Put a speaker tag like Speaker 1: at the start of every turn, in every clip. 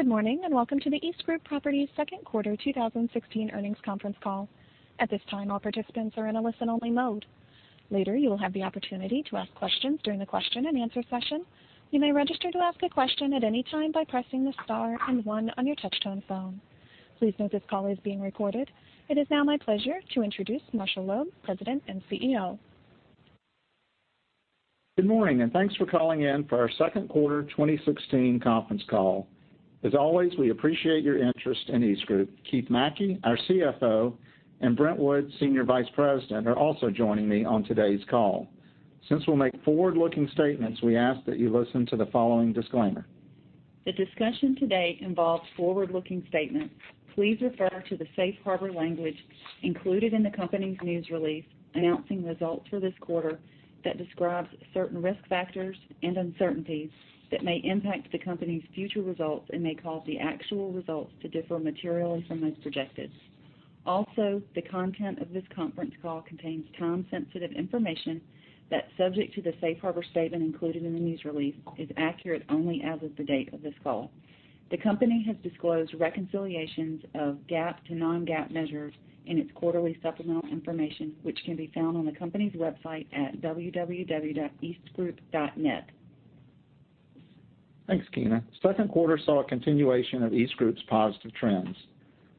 Speaker 1: Good morning, and welcome to the EastGroup Properties second quarter 2016 earnings conference call. At this time, all participants are in a listen-only mode. Later, you will have the opportunity to ask questions during the question-and-answer session. You may register to ask a question at any time by pressing the star and one on your touchtone phone. Please note this call is being recorded. It is now my pleasure to introduce Marshall Loeb, President and CEO.
Speaker 2: Good morning, thanks for calling in for our second quarter 2016 conference call. As always, we appreciate your interest in EastGroup. Keith McKey, our CFO, and Brent Wood, Senior Vice President, are also joining me on today's call. Since we will make forward-looking statements, we ask that you listen to the following disclaimer.
Speaker 3: The discussion today involves forward-looking statements. Please refer to the safe harbor language included in the company's news release announcing results for this quarter that describes certain risk factors and uncertainties that may impact the company's future results and may cause the actual results to differ materially from those projected. Also, the content of this conference call contains time-sensitive information that, subject to the safe harbor statement included in the news release, is accurate only as of the date of this call. The company has disclosed reconciliations of GAAP to non-GAAP measures in its quarterly supplemental information, which can be found on the company's website at www.eastgroup.net.
Speaker 2: Thanks, Keena. Second quarter saw a continuation of EastGroup's positive trends.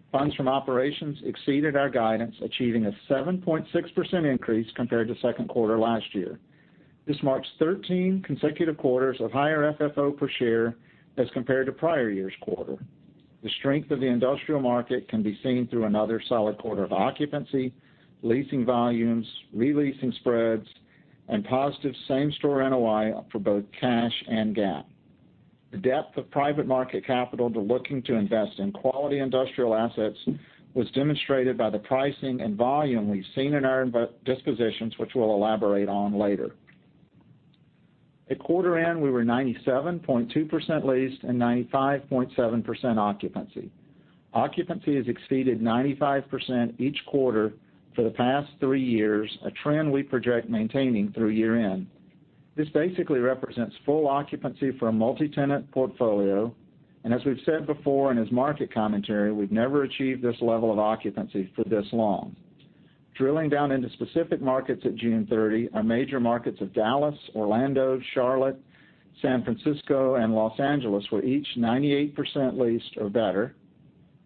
Speaker 2: Funds from operations exceeded our guidance, achieving a 7.6% increase compared to second quarter last year. This marks 13 consecutive quarters of higher FFO per share as compared to prior year's quarter. The strength of the industrial market can be seen through another solid quarter of occupancy, leasing volumes, re-leasing spreads, and positive same-store NOI for both cash and GAAP. The depth of private market capital looking to invest in quality industrial assets was demonstrated by the pricing and volume we have seen in our dispositions, which we will elaborate on later. At quarter end, we were 97.2% leased and 95.7% occupancy. Occupancy has exceeded 95% each quarter for the past three years, a trend we project maintaining through year-end. This basically represents full occupancy for a multi-tenant portfolio, as we've said before in market commentary, we've never achieved this level of occupancy for this long. Drilling down into specific markets at June 30, our major markets of Dallas, Orlando, Charlotte, San Francisco, and Los Angeles were each 98% leased or better.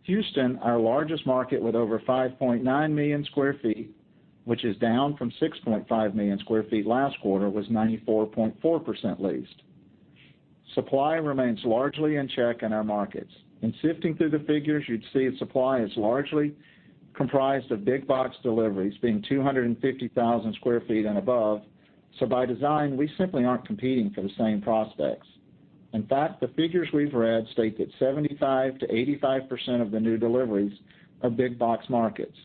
Speaker 2: Houston, our largest market with over 5.9 million sq ft, which is down from 6.5 million sq ft last quarter, was 94.4% leased. Supply remains largely in check in our markets. In sifting through the figures, you'd see supply is largely comprised of big box deliveries being 250,000 sq ft and above. By design, we simply aren't competing for the same prospects. In fact, the figures we've read state that 75%-85% of the new deliveries are big box markets.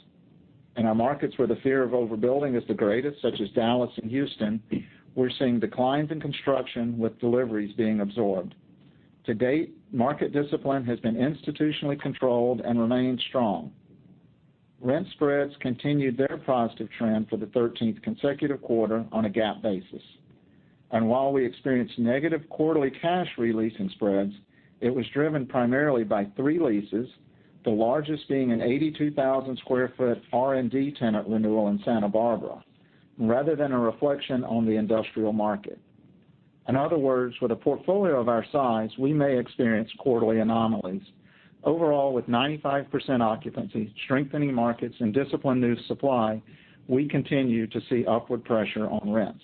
Speaker 2: In our markets where the fear of overbuilding is the greatest, such as Dallas and Houston, we're seeing declines in construction with deliveries being absorbed. To date, market discipline has been institutionally controlled and remains strong. Rent spreads continued their positive trend for the 13th consecutive quarter on a GAAP basis. While we experienced negative quarterly cash re-leasing spreads, it was driven primarily by three leases, the largest being an 82,000 sq ft R&D tenant renewal in Santa Barbara, rather than a reflection on the industrial market. In other words, with a portfolio of our size, we may experience quarterly anomalies. Overall, with 95% occupancy, strengthening markets, and disciplined new supply, we continue to see upward pressure on rents.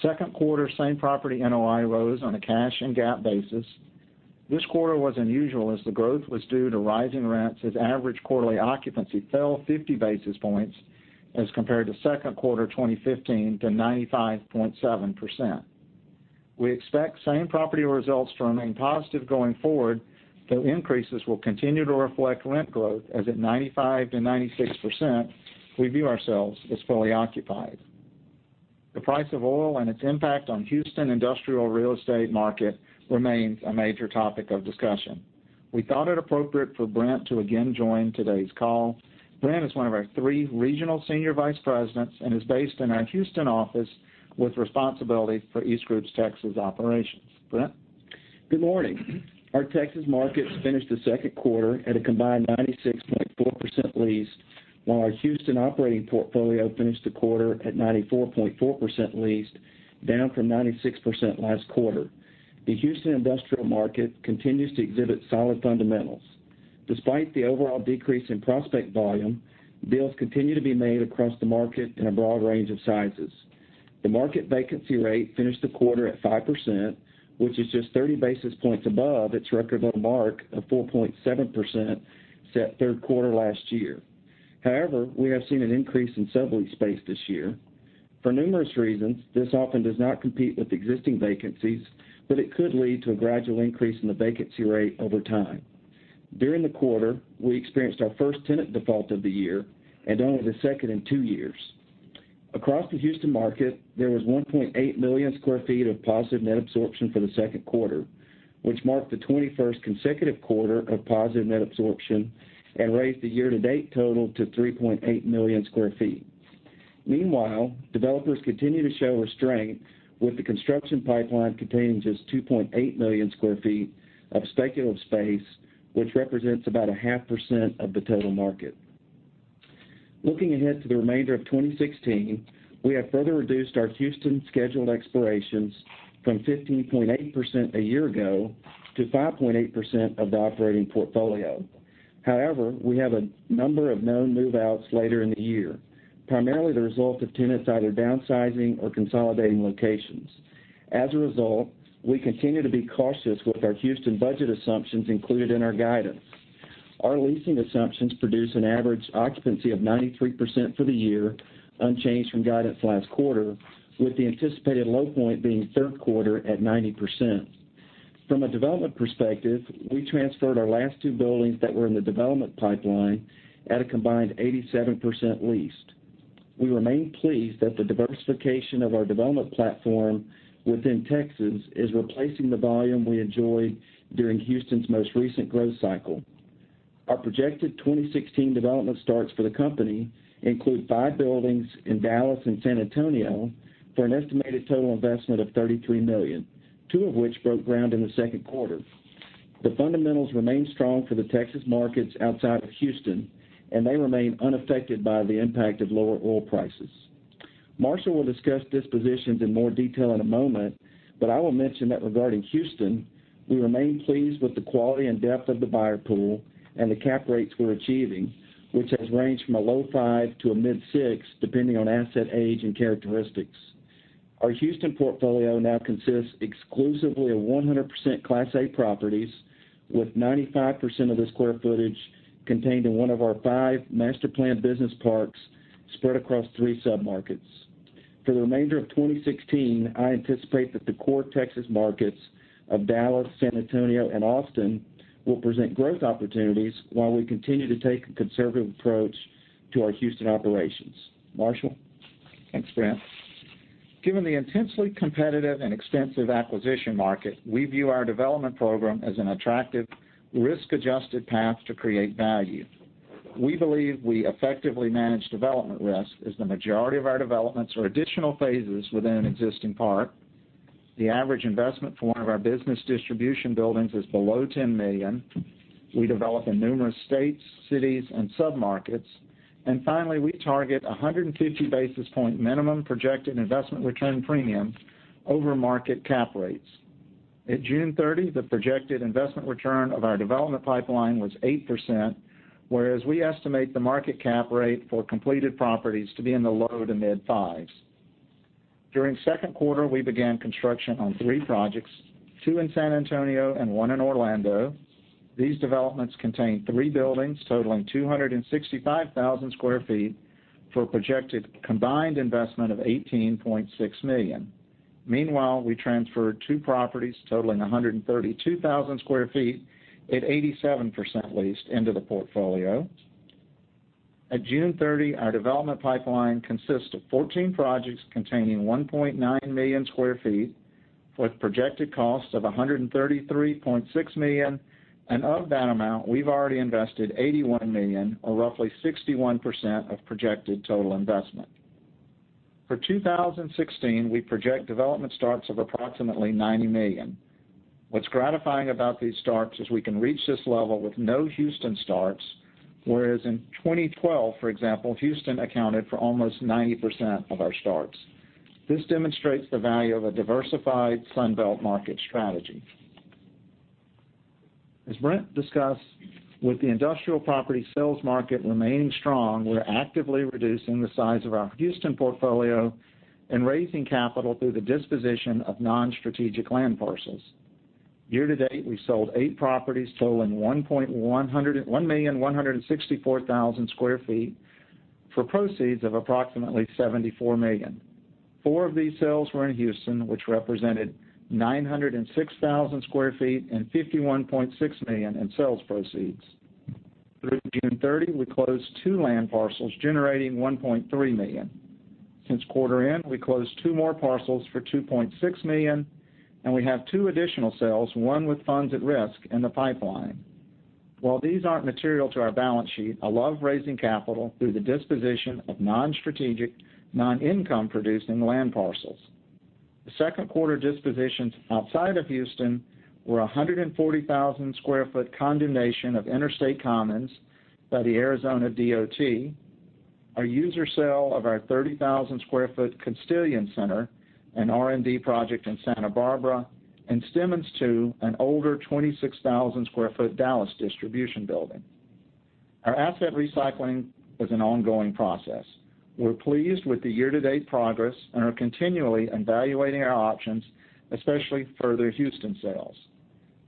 Speaker 2: Second quarter same-property NOI rose on a cash and GAAP basis. This quarter was unusual as the growth was due to rising rents as average quarterly occupancy fell 50 basis points as compared to second quarter 2015 to 95.7%. We expect same-property results to remain positive going forward, though increases will continue to reflect rent growth as at 95%-96%, we view ourselves as fully occupied. The price of oil and its impact on Houston industrial real estate market remains a major topic of discussion. We thought it appropriate for Brent to again join today's call. Brent is one of our three regional senior vice presidents and is based in our Houston office with responsibility for EastGroup's Texas operations. Brent?
Speaker 4: Good morning. Our Texas markets finished the second quarter at a combined 96.4% leased, while our Houston operating portfolio finished the quarter at 94.4% leased, down from 96% last quarter. The Houston industrial market continues to exhibit solid fundamentals. Despite the overall decrease in prospect volume, deals continue to be made across the market in a broad range of sizes. The market vacancy rate finished the quarter at 5%, which is just 30 basis points above its record low mark of 4.7% set third quarter last year. However, we have seen an increase in subleased space this year. For numerous reasons, this often does not compete with existing vacancies, but it could lead to a gradual increase in the vacancy rate over time. During the quarter, we experienced our first tenant default of the year and only the second in two years. Across the Houston market, there was 1.8 million sq ft of positive net absorption for the second quarter, which marked the 21st consecutive quarter of positive net absorption and raised the year-to-date total to 3.8 million sq ft. Meanwhile, developers continue to show restraint with the construction pipeline containing just 2.8 million sq ft of speculative space, which represents about a half percent of the total market. Looking ahead to the remainder of 2016, we have further reduced our Houston scheduled expirations from 15.8% a year ago to 5.8% of the operating portfolio. However, we have a number of known move-outs later in the year, primarily the result of tenants either downsizing or consolidating locations. As a result, we continue to be cautious with our Houston budget assumptions included in our guidance. Our leasing assumptions produce an average occupancy of 93% for the year, unchanged from guidance last quarter, with the anticipated low point being third quarter at 90%. From a development perspective, we transferred our last two buildings that were in the development pipeline at a combined 87% leased. We remain pleased that the diversification of our development platform within Texas is replacing the volume we enjoyed during Houston's most recent growth cycle. Our projected 2016 development starts for the company include five buildings in Dallas and San Antonio for an estimated total investment of $33 million, two of which broke ground in the second quarter. The fundamentals remain strong for the Texas markets outside of Houston, and they remain unaffected by the impact of lower oil prices. Marshall will discuss dispositions in more detail in a moment, I will mention that regarding Houston, we remain pleased with the quality and depth of the buyer pool and the cap rates we are achieving, which has ranged from a low five to a mid six, depending on asset age and characteristics. Our Houston portfolio now consists exclusively of 100% Class A properties, with 95% of the square footage contained in one of our five master-planned business parks spread across three submarkets. For the remainder of 2016, I anticipate that the core Texas markets of Dallas, San Antonio, and Austin will present growth opportunities while we continue to take a conservative approach to our Houston operations. Marshall?
Speaker 2: Thanks, Brent. Given the intensely competitive and extensive acquisition market, we view our development program as an attractive risk-adjusted path to create value. We believe we effectively manage development risk, as the majority of our developments are additional phases within an existing park. The average investment for one of our business distribution buildings is below $10 million. We develop in numerous states, cities, and submarkets. Finally, we target 150 basis point minimum projected investment return premium over market cap rates. At June 30, the projected investment return of our development pipeline was 8%, whereas we estimate the market cap rate for completed properties to be in the low to mid fives. During second quarter, we began construction on three projects, two in San Antonio and one in Orlando. These developments contain three buildings totaling 265,000 sq ft for a projected combined investment of $18.6 million. Meanwhile, we transferred two properties totaling 132,000 square feet at 87% leased into the portfolio. At June 30, our development pipeline consists of 14 projects containing 1.9 million square feet with projected costs of $133.6 million. Of that amount, we've already invested $81 million, or roughly 61% of projected total investment. For 2016, we project development starts of approximately $90 million. What's gratifying about these starts is we can reach this level with no Houston starts, whereas in 2012, for example, Houston accounted for almost 90% of our starts. This demonstrates the value of a diversified Sun Belt market strategy. As Brent discussed, with the industrial property sales market remaining strong, we're actively reducing the size of our Houston portfolio and raising capital through the disposition of non-strategic land parcels. Year to date, we sold eight properties totaling 1,164,000 square feet for proceeds of approximately $74 million. Four of these sales were in Houston, which represented 906,000 square feet and $51.6 million in sales proceeds. Through June 30, we closed two land parcels generating $1.3 million. Since quarter end, we closed two more parcels for $2.6 million, and we have two additional sales, one with funds at risk in the pipeline. While these aren't material to our balance sheet, I love raising capital through the disposition of non-strategic, non-income producing land parcels. The second quarter dispositions outside of Houston were 140,000 square foot condemnation of Interstate Commons by the Arizona DOT, a user sale of our 30,000 square foot Constellium Center, an R&D project in Santa Barbara, and Simmons 2, an older 26,000 square foot Dallas distribution building. Our asset recycling is an ongoing process. We're pleased with the year-to-date progress and are continually evaluating our options, especially further Houston sales.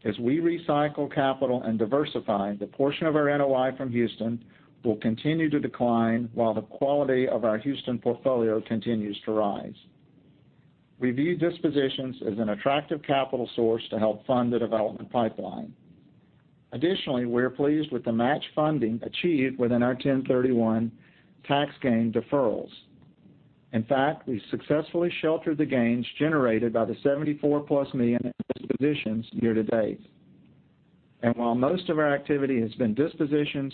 Speaker 2: As we recycle capital and diversify, the portion of our NOI from Houston will continue to decline while the quality of our Houston portfolio continues to rise. We view dispositions as an attractive capital source to help fund the development pipeline. Additionally, we are pleased with the match funding achieved within our 1031 tax gain deferrals. In fact, we successfully sheltered the gains generated by the $74-plus million in dispositions year to date. While most of our activity has been dispositions,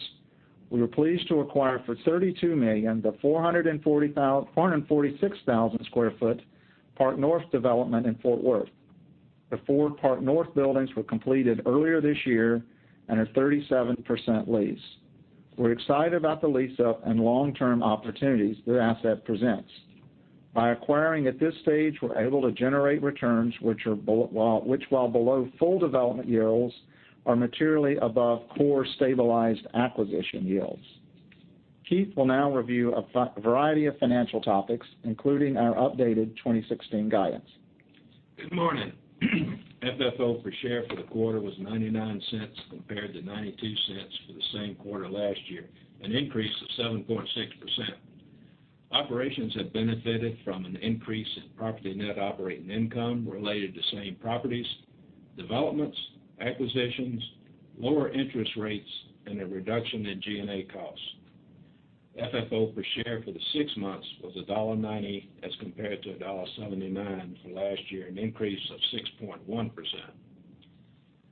Speaker 2: we were pleased to acquire for $32 million the 446,000 square foot Park North development in Fort Worth. The four Park North buildings were completed earlier this year and are 37% leased. We're excited about the lease-up and long-term opportunities their asset presents. By acquiring at this stage, we're able to generate returns, which while below full development yields, are materially above core stabilized acquisition yields. Keith will now review a variety of financial topics, including our updated 2016 guidance.
Speaker 5: Good morning. FFO per share for the quarter was $0.99 compared to $0.92 for the same quarter last year, an increase of 7.6%. Operations have benefited from an increase in property net operating income related to same properties, developments, acquisitions, lower interest rates, and a reduction in G&A costs. FFO per share for the six months was $1.90 as compared to $1.79 for last year, an increase of 6.1%.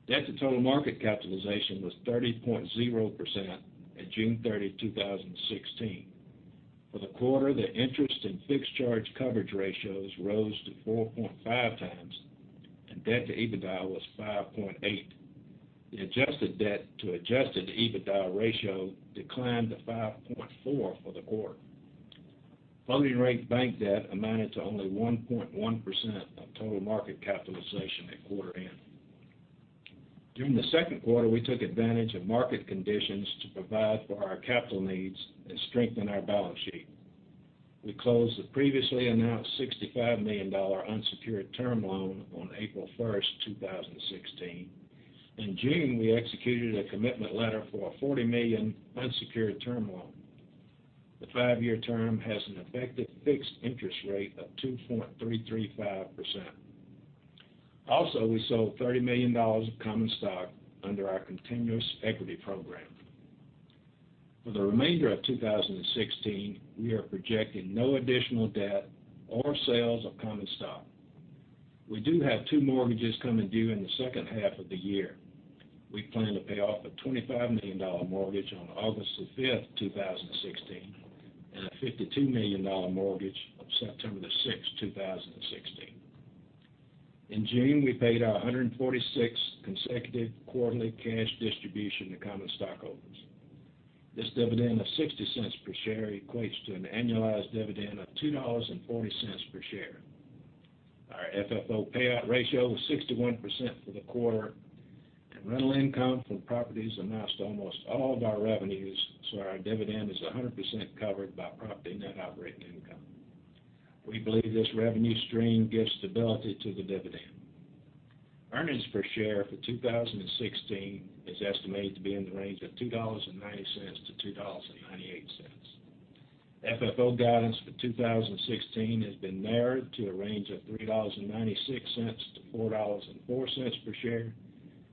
Speaker 5: Debt to total market capitalization was 30.0% at June 30, 2016. For the quarter, the interest and fixed charge coverage ratios rose to 4.5 times, and debt to EBITDA was 5.8. The adjusted debt to adjusted EBITDA ratio declined to 5.4 for the quarter. Floating rate bank debt amounted to only 1.1% of total market capitalization at quarter end. During the second quarter, we took advantage of market conditions to provide for our capital needs and strengthen our balance sheet. We closed the previously announced $65 million unsecured term loan on April 1st, 2016. In June, we executed a commitment letter for a $40 million unsecured term loan. The five-year term has an effective fixed interest rate of 2.335%. Also, we sold $30 million of common stock under our continuous equity program. For the remainder of 2016, we are projecting no additional debt or sales of common stock. We do have two mortgages coming due in the second half of the year. We plan to pay off a $25 million mortgage on August 5th, 2016, and a $52 million mortgage on September 6th, 2016. In June, we paid our 146th consecutive quarterly cash distribution to common stockholders. This dividend of $0.60 per share equates to an annualized dividend of $2.40 per share. Our FFO payout ratio was 61% for the quarter, rental income from properties announced almost all of our revenues, so our dividend is 100% covered by property net operating income. We believe this revenue stream gives stability to the dividend. Earnings per share for 2016 is estimated to be in the range of $2.90 to $2.98. FFO guidance for 2016 has been narrowed to a range of $3.96 to $4.04 per share,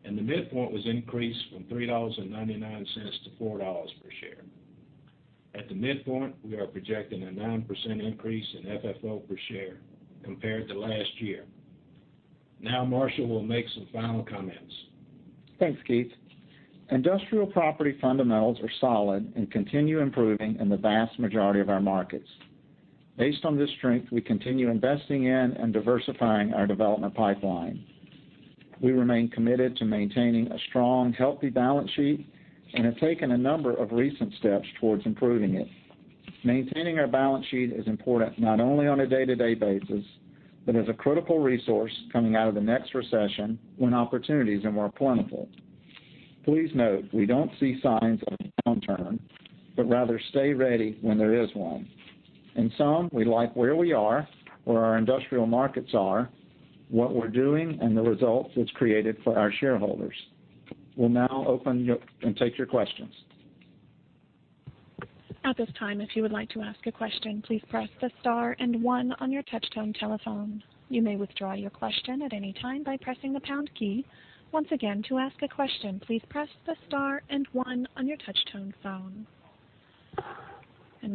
Speaker 5: and the midpoint was increased from $3.99 to $4 per share. At the midpoint, we are projecting a 9% increase in FFO per share compared to last year. Marshall will make some final comments.
Speaker 2: Thanks, Keith. Industrial property fundamentals are solid and continue improving in the vast majority of our markets. Based on this strength, we continue investing in and diversifying our development pipeline. We remain committed to maintaining a strong, healthy balance sheet and have taken a number of recent steps towards improving it. Maintaining our balance sheet is important not only on a day-to-day basis, but as a critical resource coming out of the next recession when opportunities are more plentiful. Please note, we don't see signs of a downturn, but rather stay ready when there is one. In sum, we like where we are, where our industrial markets are, what we're doing, and the results it's created for our shareholders. We'll now open and take your questions.
Speaker 1: At this time, if you would like to ask a question, please press the star and one on your touchtone telephone. You may withdraw your question at any time by pressing the pound key. Once again, to ask a question, please press the star and one on your touchtone phone.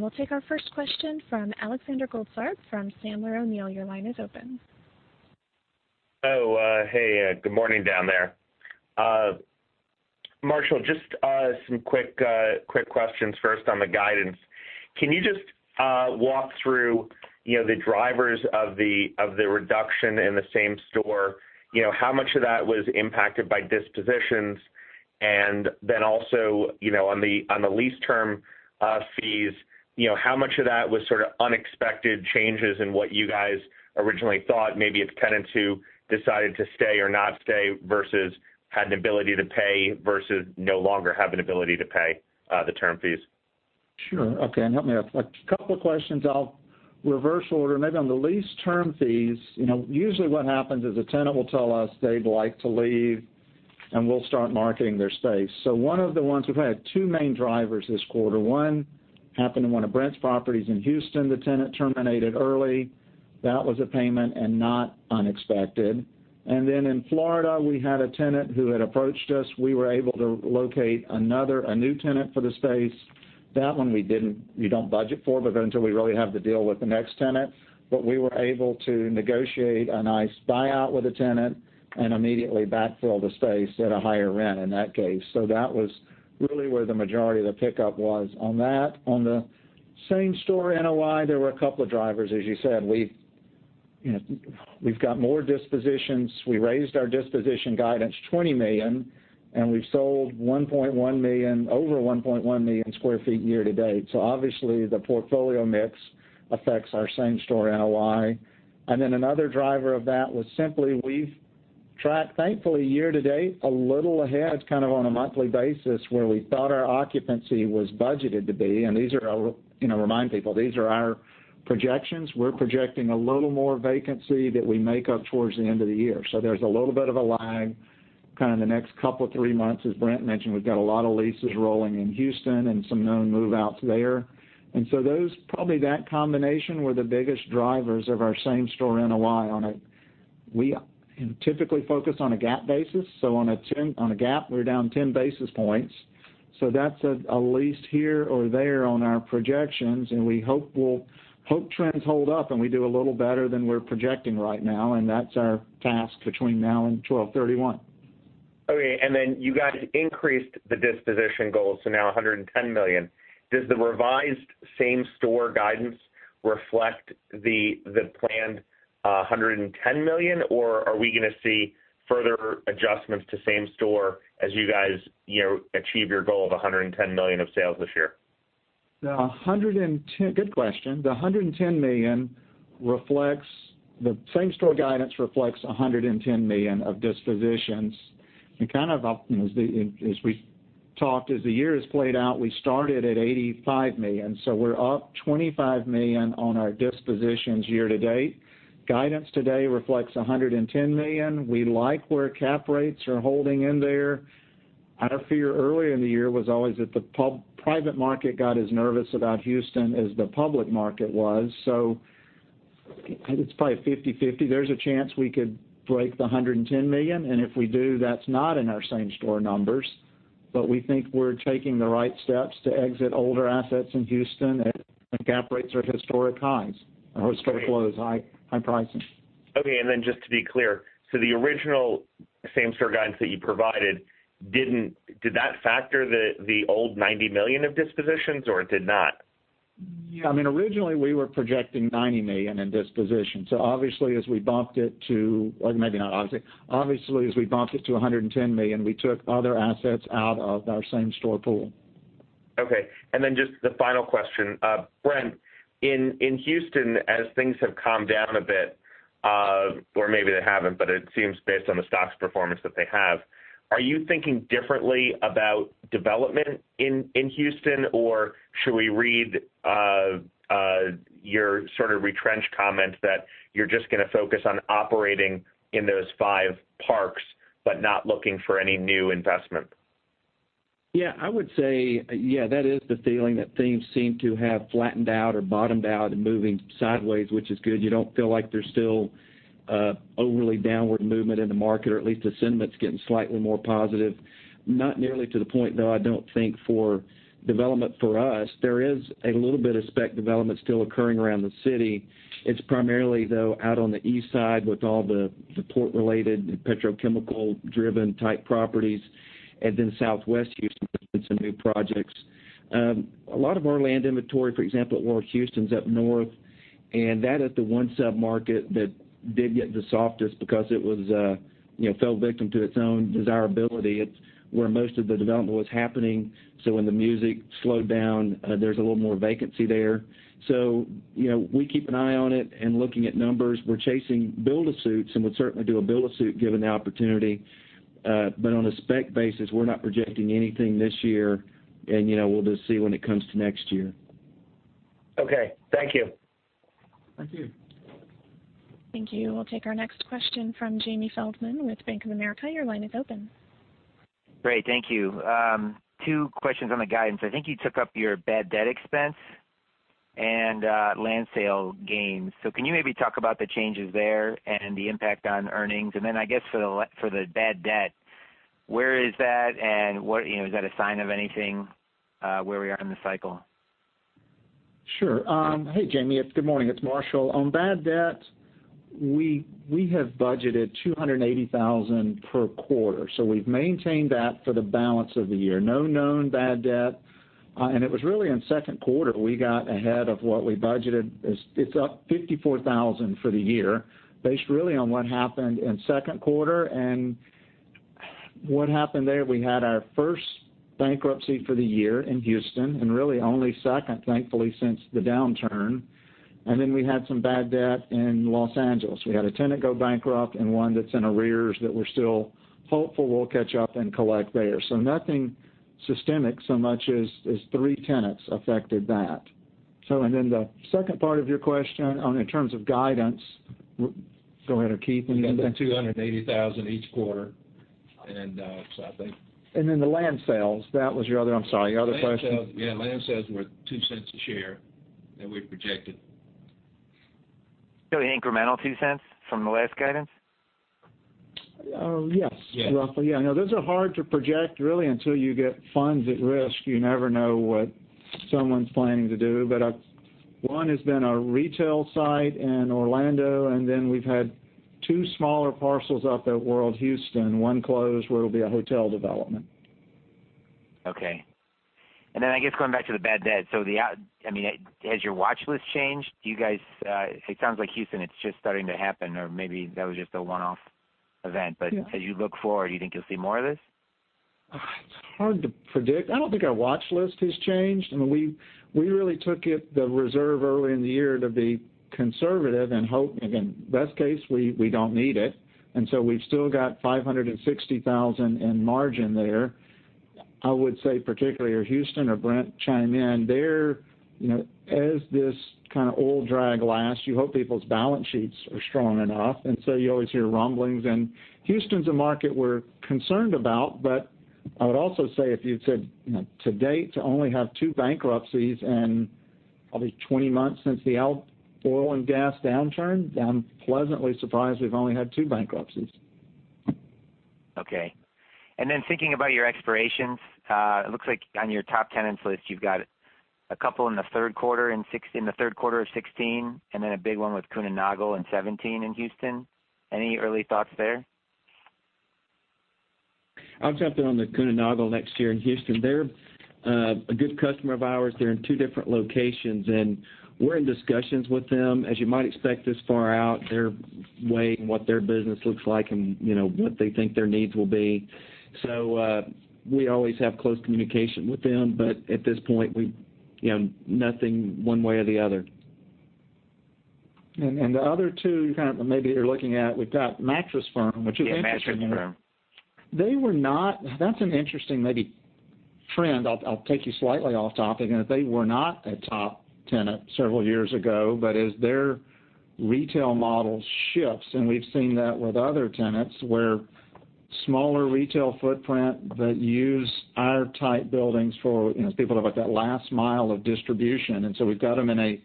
Speaker 1: We'll take our first question from Alexander Goldfarb from Sandler O'Neill. Your line is open.
Speaker 6: Hey. Good morning down there. Marshall, just some quick questions first on the guidance. Can you just walk through the drivers of the reduction in the same-store? How much of that was impacted by dispositions? Also, on the lease term fees, how much of that was sort of unexpected changes in what you guys originally thought? Maybe it's tenants who decided to stay or not stay versus had an ability to pay versus no longer have an ability to pay the term fees.
Speaker 2: Sure. Okay. Help me out. A couple of questions I'll reverse order. Maybe on the lease term fees, usually what happens is a tenant will tell us they'd like to leave, and we'll start marketing their space. We've had two main drivers this quarter. One happened in one of Brent's properties in Houston. The tenant terminated early. That was a payment and not unexpected. In Florida, we had a tenant who had approached us. We were able to locate a new tenant for the space. That one we don't budget for, until we really have the deal with the next tenant. We were able to negotiate a nice buyout with the tenant and immediately backfill the space at a higher rent in that case. That was really where the majority of the pickup was on that. On the same-store NOI, there were a couple of drivers, as you said. We've got more dispositions. We raised our disposition guidance $20 million, and we've sold over 1.1 million sq ft year-to-date. Obviously the portfolio mix affects our same-store NOI. Another driver of that was simply we've tracked, thankfully, year-to-date, a little ahead kind of on a monthly basis, where we thought our occupancy was budgeted to be, and remind people, these are our projections. We're projecting a little more vacancy that we make up towards the end of the year. There's a little bit of a lag kind of in the next couple three months. As Brent mentioned, we've got a lot of leases rolling in Houston and some known move-outs there. Probably that combination were the biggest drivers of our same-store NOI on it. We typically focus on a GAAP basis. On a GAAP, we're down 10 basis points. That's a lease here or there on our projections, and we hope trends hold up, and we do a little better than we're projecting right now, and that's our task between now and 12/31.
Speaker 6: Okay. Then you guys increased the disposition goal to now $110 million. Does the revised same-store guidance reflect the planned $110 million, or are we going to see further adjustments to same-store as you guys achieve your goal of $110 million of sales this year?
Speaker 2: Good question. The same-store guidance reflects $110 million of dispositions. Kind of as we talked, as the year has played out, we started at $85 million, we're up $25 million on our dispositions year to date. Guidance today reflects $110 million. We like where cap rates are holding in there. Our fear early in the year was always that the private market got as nervous about Houston as the public market was. It's probably 50/50. There's a chance we could break the $110 million, and if we do, that's not in our same-store numbers. We think we're taking the right steps to exit older assets in Houston, and cap rates are at historic highs, historic lows, high prices.
Speaker 6: Okay, then just to be clear, the original same-store guidance that you provided, did that factor the old $90 million of dispositions, or it did not?
Speaker 2: Originally, we were projecting $90 million in disposition. Obviously, as we bumped it to $110 million, we took other assets out of our same-store pool.
Speaker 6: Okay. Then just the final question. Brent, in Houston, as things have calmed down a bit, or maybe they haven't, but it seems based on the stock's performance that they have. Are you thinking differently about development in Houston, or should we read your sort of retrenched comment that you're just going to focus on operating in those five parks, but not looking for any new investment?
Speaker 4: Yeah, I would say that is the feeling that things seem to have flattened out or bottomed out and moving sideways, which is good. You don't feel like there's still overly downward movement in the market, or at least the sentiment's getting slightly more positive. Not nearly to the point, though, I don't think, for development for us. There is a little bit of spec development still occurring around the city. It's primarily, though, out on the east side with all the port-related, petrochemical-driven type properties, and then Southwest Houston has some new projects. A lot of our land inventory, for example, at North Houston's up north, and that is the one sub-market that did get the softest because it fell victim to its own desirability. It's where most of the development was happening. When the music slowed down, there's a little more vacancy there. We keep an eye on it and looking at numbers. We're chasing build-to-suits and would certainly do a build-to-suit given the opportunity. On a spec basis, we're not projecting anything this year, and we'll just see when it comes to next year.
Speaker 6: Okay. Thank you.
Speaker 4: Thank you.
Speaker 1: Thank you. We'll take our next question from Jamie Feldman with Bank of America. Your line is open.
Speaker 7: Great. Thank you. Two questions on the guidance. I think you took up your bad debt expense and land sale gains. Can you maybe talk about the changes there and the impact on earnings? Then I guess for the bad debt, where is that and is that a sign of anything where we are in the cycle?
Speaker 2: Sure. Hey, Jamie. Good morning. It's Marshall. On bad debt, we have budgeted $280,000 per quarter. We've maintained that for the balance of the year. No known bad debt. It was really in second quarter, we got ahead of what we budgeted. It's up $54,000 for the year, based really on what happened in second quarter. What happened there, we had our first bankruptcy for the year in Houston, and really only second, thankfully, since the downturn. Then we had some bad debt in Los Angeles. We had a tenant go bankrupt and one that's in arrears that we're still hopeful we'll catch up and collect there. Nothing systemic so much as three tenants affected that. Then the second part of your question in terms of guidance. Go ahead, Keith.
Speaker 4: $280,000 each quarter.
Speaker 2: The land sales, that was your other, I'm sorry, your other question?
Speaker 5: Yeah, land sales were $0.02 a share that we'd projected.
Speaker 7: the incremental $0.02 from the last guidance?
Speaker 5: Yes. Yes. Roughly. Yeah, no, those are hard to project really until you get funds at risk. You never know what someone's planning to do. One has been a retail site in Orlando, we've had two smaller parcels up at World Houston, one closed, where it'll be a hotel development.
Speaker 7: Okay. I guess going back to the bad debt, has your watch list changed? It sounds like Houston, it's just starting to happen, or maybe that was just a one-off event.
Speaker 2: Yeah.
Speaker 7: As you look forward, do you think you'll see more of this?
Speaker 2: It's hard to predict. I don't think our watch list has changed. I mean, we really took it, the reserve early in the year to be conservative and hope, again, best case, we don't need it. So we've still got $560,000 in margin there. I would say particularly, or Houston or Brent chime in, there, as this kind of old drag lasts, you hope people's balance sheets are strong enough. So you always hear rumblings, and Houston's a market we're concerned about. I would also say if you'd said, to date to only have two bankruptcies in probably 20 months since the oil and gas downturn, I'm pleasantly surprised we've only had two bankruptcies.
Speaker 7: Okay. Then thinking about your expirations, it looks like on your top tenants list, you've got a couple in the third quarter of 2016, then a big one with Kuehne + Nagel in 2017 in Houston. Any early thoughts there?
Speaker 4: I'll jump in on the Kuehne + Nagel next year in Houston. They're a good customer of ours. They're in two different locations, and we're in discussions with them. As you might expect this far out, they're weighing what their business looks like and what they think their needs will be. We always have close communication with them, but at this point, nothing one way or the other.
Speaker 2: The other two you kind of maybe are looking at, we've got Mattress Firm, which is interesting.
Speaker 7: Yeah, Mattress Firm.
Speaker 2: That's an interesting maybe trend. I'll take you slightly off topic. They were not a top tenant several years ago, but as their retail model shifts, we've seen that with other tenants, where smaller retail footprint that use our type buildings for, as people have like that last mile of distribution. We've got them in a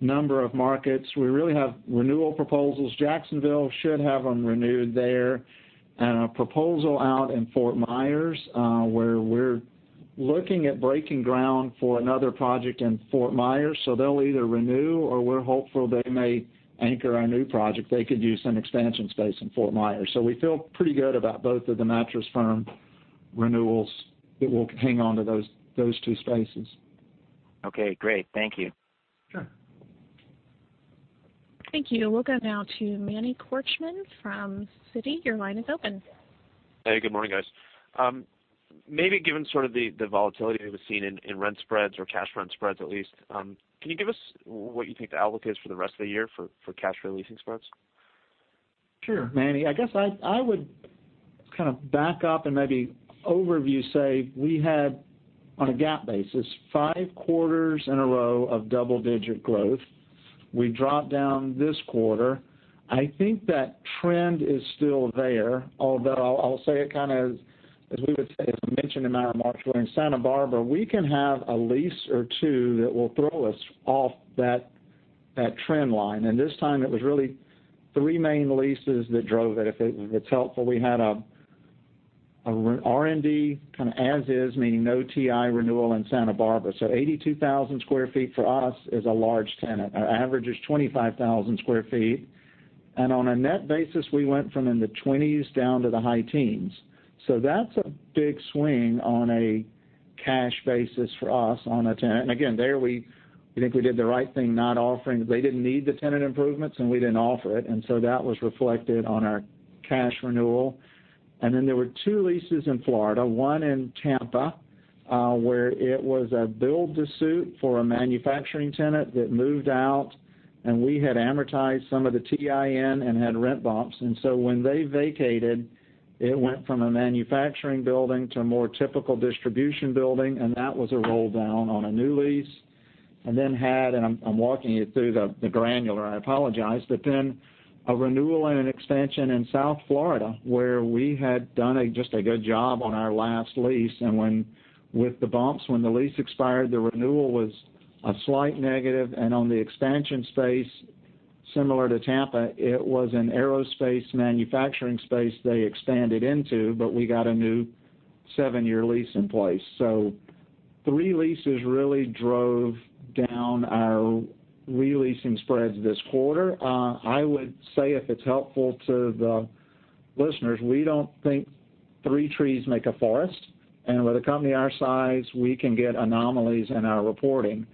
Speaker 2: number of markets. We really have renewal proposals. Jacksonville should have them renewed there. A proposal out in Fort Myers, where we're looking at breaking ground for another project in Fort Myers. They'll either renew or we're hopeful they may anchor our new project. They could use some expansion space in Fort Myers. We feel pretty good about both of the Mattress Firm renewals, that we'll hang on to those two spaces.
Speaker 7: Okay, great. Thank you.
Speaker 2: Sure.
Speaker 1: Thank you. We'll go now to Emmanuel Korchman from Citi. Your line is open.
Speaker 8: Hey, good morning, guys. Maybe given sort of the volatility we've seen in rent spreads or cash rent spreads at least, can you give us what you think the outlook is for the rest of the year for cash re-leasing spreads?
Speaker 2: Sure, Manny. I guess I would back up and maybe overview say, we had, on a GAAP basis, five quarters in a row of double-digit growth. We dropped down this quarter. I think that trend is still there, although I'll say it, as we would say, as we mentioned in our March quarter in Santa Barbara, we can have a lease or two that will throw us off that trend line. This time it was really three main leases that drove it. If it's helpful, we had an R&D as is, meaning no TI renewal in Santa Barbara. 82,000 sq ft for us is a large tenant. Our average is 25,000 sq ft. On a net basis, we went from in the 20s down to the high teens. That's a big swing on a cash basis for us on a tenant. Again, there we think we did the right thing not offering They didn't need the tenant improvements, and we didn't offer it. That was reflected on our cash renewal. There were two leases in Florida, one in Tampa, where it was a build to suit for a manufacturing tenant that moved out, and we had amortized some of the TI in and had rent bumps. When they vacated, it went from a manufacturing building to a more typical distribution building, and that was a roll-down on a new lease. Then had, I'm walking you through the granular, I apologize, a renewal and an expansion in South Florida, where we had done just a good job on our last lease. With the bumps, when the lease expired, the renewal was a slight negative. On the expansion space, similar to Tampa, it was an aerospace manufacturing space they expanded into, but we got a new seven-year lease in place. Three leases really drove down our re-leasing spreads this quarter. I would say if it's helpful to the listeners, we don't think three trees make a forest. With a company our size, we can get anomalies in our reporting.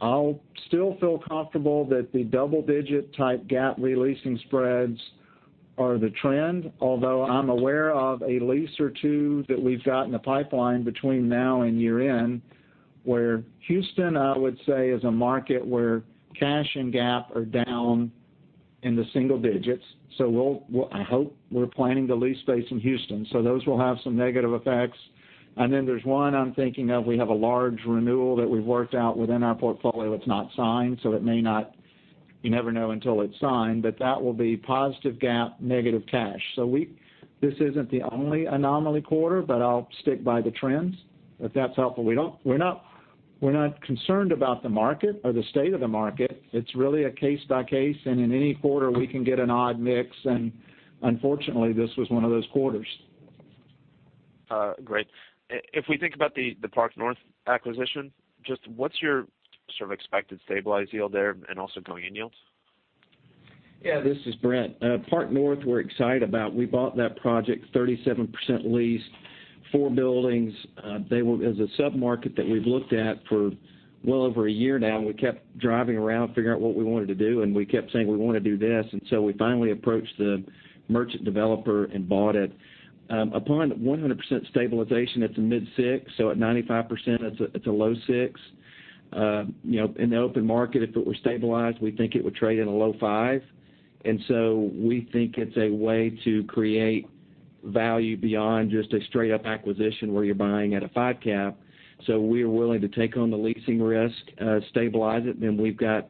Speaker 2: I'll still feel comfortable that the double-digit type GAAP re-leasing spreads are the trend, although I'm aware of a lease or two that we've got in the pipeline between now and year-end, where Houston, I would say, is a market where cash and GAAP are down in the single digits. I hope we're planning to lease space in Houston. Those will have some negative effects. There's one I'm thinking of. We have a large renewal that we've worked out within our portfolio. It's not signed, you never know until it's signed, that will be positive GAAP, negative cash. This isn't the only anomaly quarter, I'll stick by the trends, if that's helpful. We're not concerned about the market or the state of the market. It's really a case-by-case, in any quarter, we can get an odd mix, unfortunately, this was one of those quarters.
Speaker 8: Great. If we think about the Park North acquisition, just what's your sort of expected stabilized yield there and also going-in yields?
Speaker 4: This is Brent. Park North, we're excited about. We bought that project 37% leased, four buildings. As a sub-market that we've looked at for well over a year now, we kept driving around figuring out what we wanted to do, we kept saying we want to do this. We finally approached the merchant developer and bought it. Upon 100% stabilization, it's a mid-six. At 95%, it's a low six. In the open market, if it were stabilized, we think it would trade at a low five. We think it's a way to create value beyond just a straight-up acquisition where you're buying at a five cap. We're willing to take on the leasing risk, stabilize it, then we've got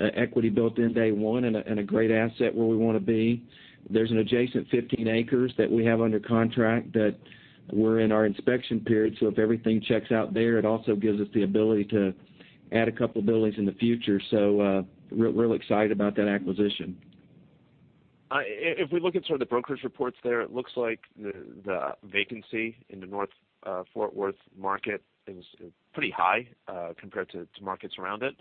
Speaker 4: equity built in day one and a great asset where we want to be. There's an adjacent 15 acres that we have under contract that we're in our inspection period. If everything checks out there, it also gives us the ability to add a couple of buildings in the future. Real excited about that acquisition.
Speaker 8: If we look at sort of the brokerage reports there, it looks like the vacancy in the North Fort Worth market is pretty high compared to markets around it.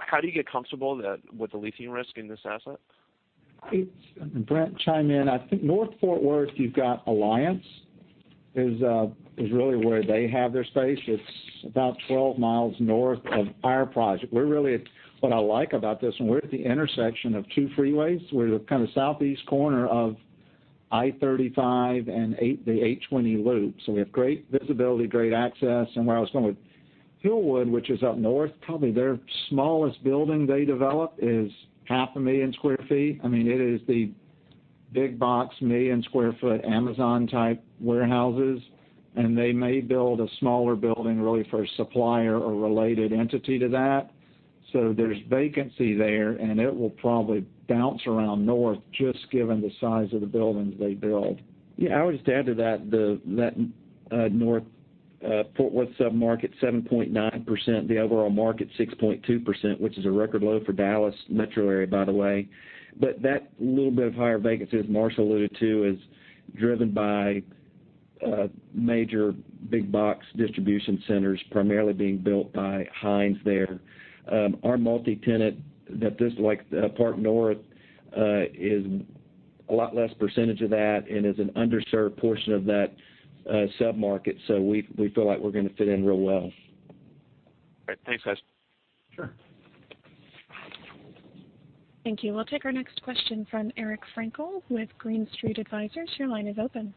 Speaker 8: How do you get comfortable with the leasing risk in this asset?
Speaker 2: Brent, chime in. I think North Fort Worth, you've got Alliance, is really where they have their space. It's about 12 miles north of our project. What I like about this one, we're at the intersection of two freeways. We're the kind of southeast corner of I35 and the 820 loop. We have great visibility, great access. Where I was going with Hillwood, which is up north, probably their smallest building they develop is half a million sq ft. It is the big box, million sq ft, Amazon-type warehouses, and they may build a smaller building really for a supplier or related entity to that. There's vacancy there, and it will probably bounce around north just given the size of the buildings they build.
Speaker 4: Yeah, I would just add to that North Fort Worth sub-market, 7.9%, the overall market 6.2%, which is a record low for Dallas metro area, by the way. That little bit of higher vacancy, as Marshall alluded to, is driven by major big box distribution centers primarily being built by Hines there. Our multi-tenant, like Park North, is a lot less percentage of that and is an underserved portion of that sub-market. We feel like we're going to fit in real well.
Speaker 8: All right. Thanks, guys.
Speaker 2: Sure.
Speaker 1: Thank you. We'll take our next question from Eric Frankel with Green Street Advisors. Your line is open.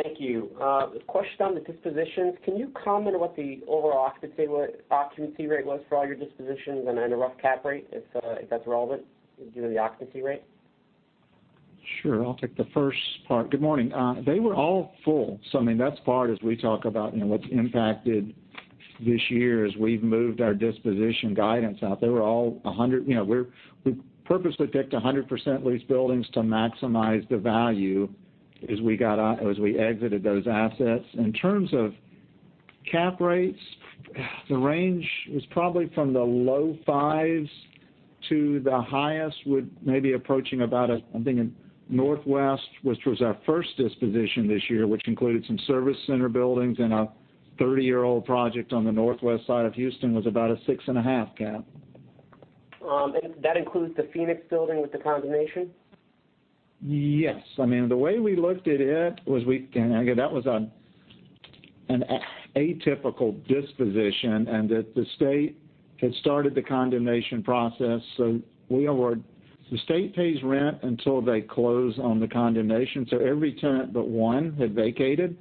Speaker 9: Thank you. A question on the dispositions. Can you comment on what the overall occupancy rate was for all your dispositions and then a rough cap rate, if that's relevant given the occupancy rate?
Speaker 2: Sure. I'll take the first part. Good morning. They were all full. That's part, as we talk about what's impacted this year, as we've moved our disposition guidance out. We purposely picked 100% leased buildings to maximize the value as we exited those assets. In terms of cap rates, the range was probably from the low fives to the highest would maybe approaching about, I'm thinking Northwest, which was our first disposition this year, which included some service center buildings and a 30-year-old project on the northwest side of Houston, was about a six and a half cap.
Speaker 9: That includes the Phoenix building with the condemnation?
Speaker 2: Yes. The way we looked at it was, again, that was an atypical disposition and the state had started the condemnation process. The state pays rent until they close on the condemnation. Every tenant but one had vacated,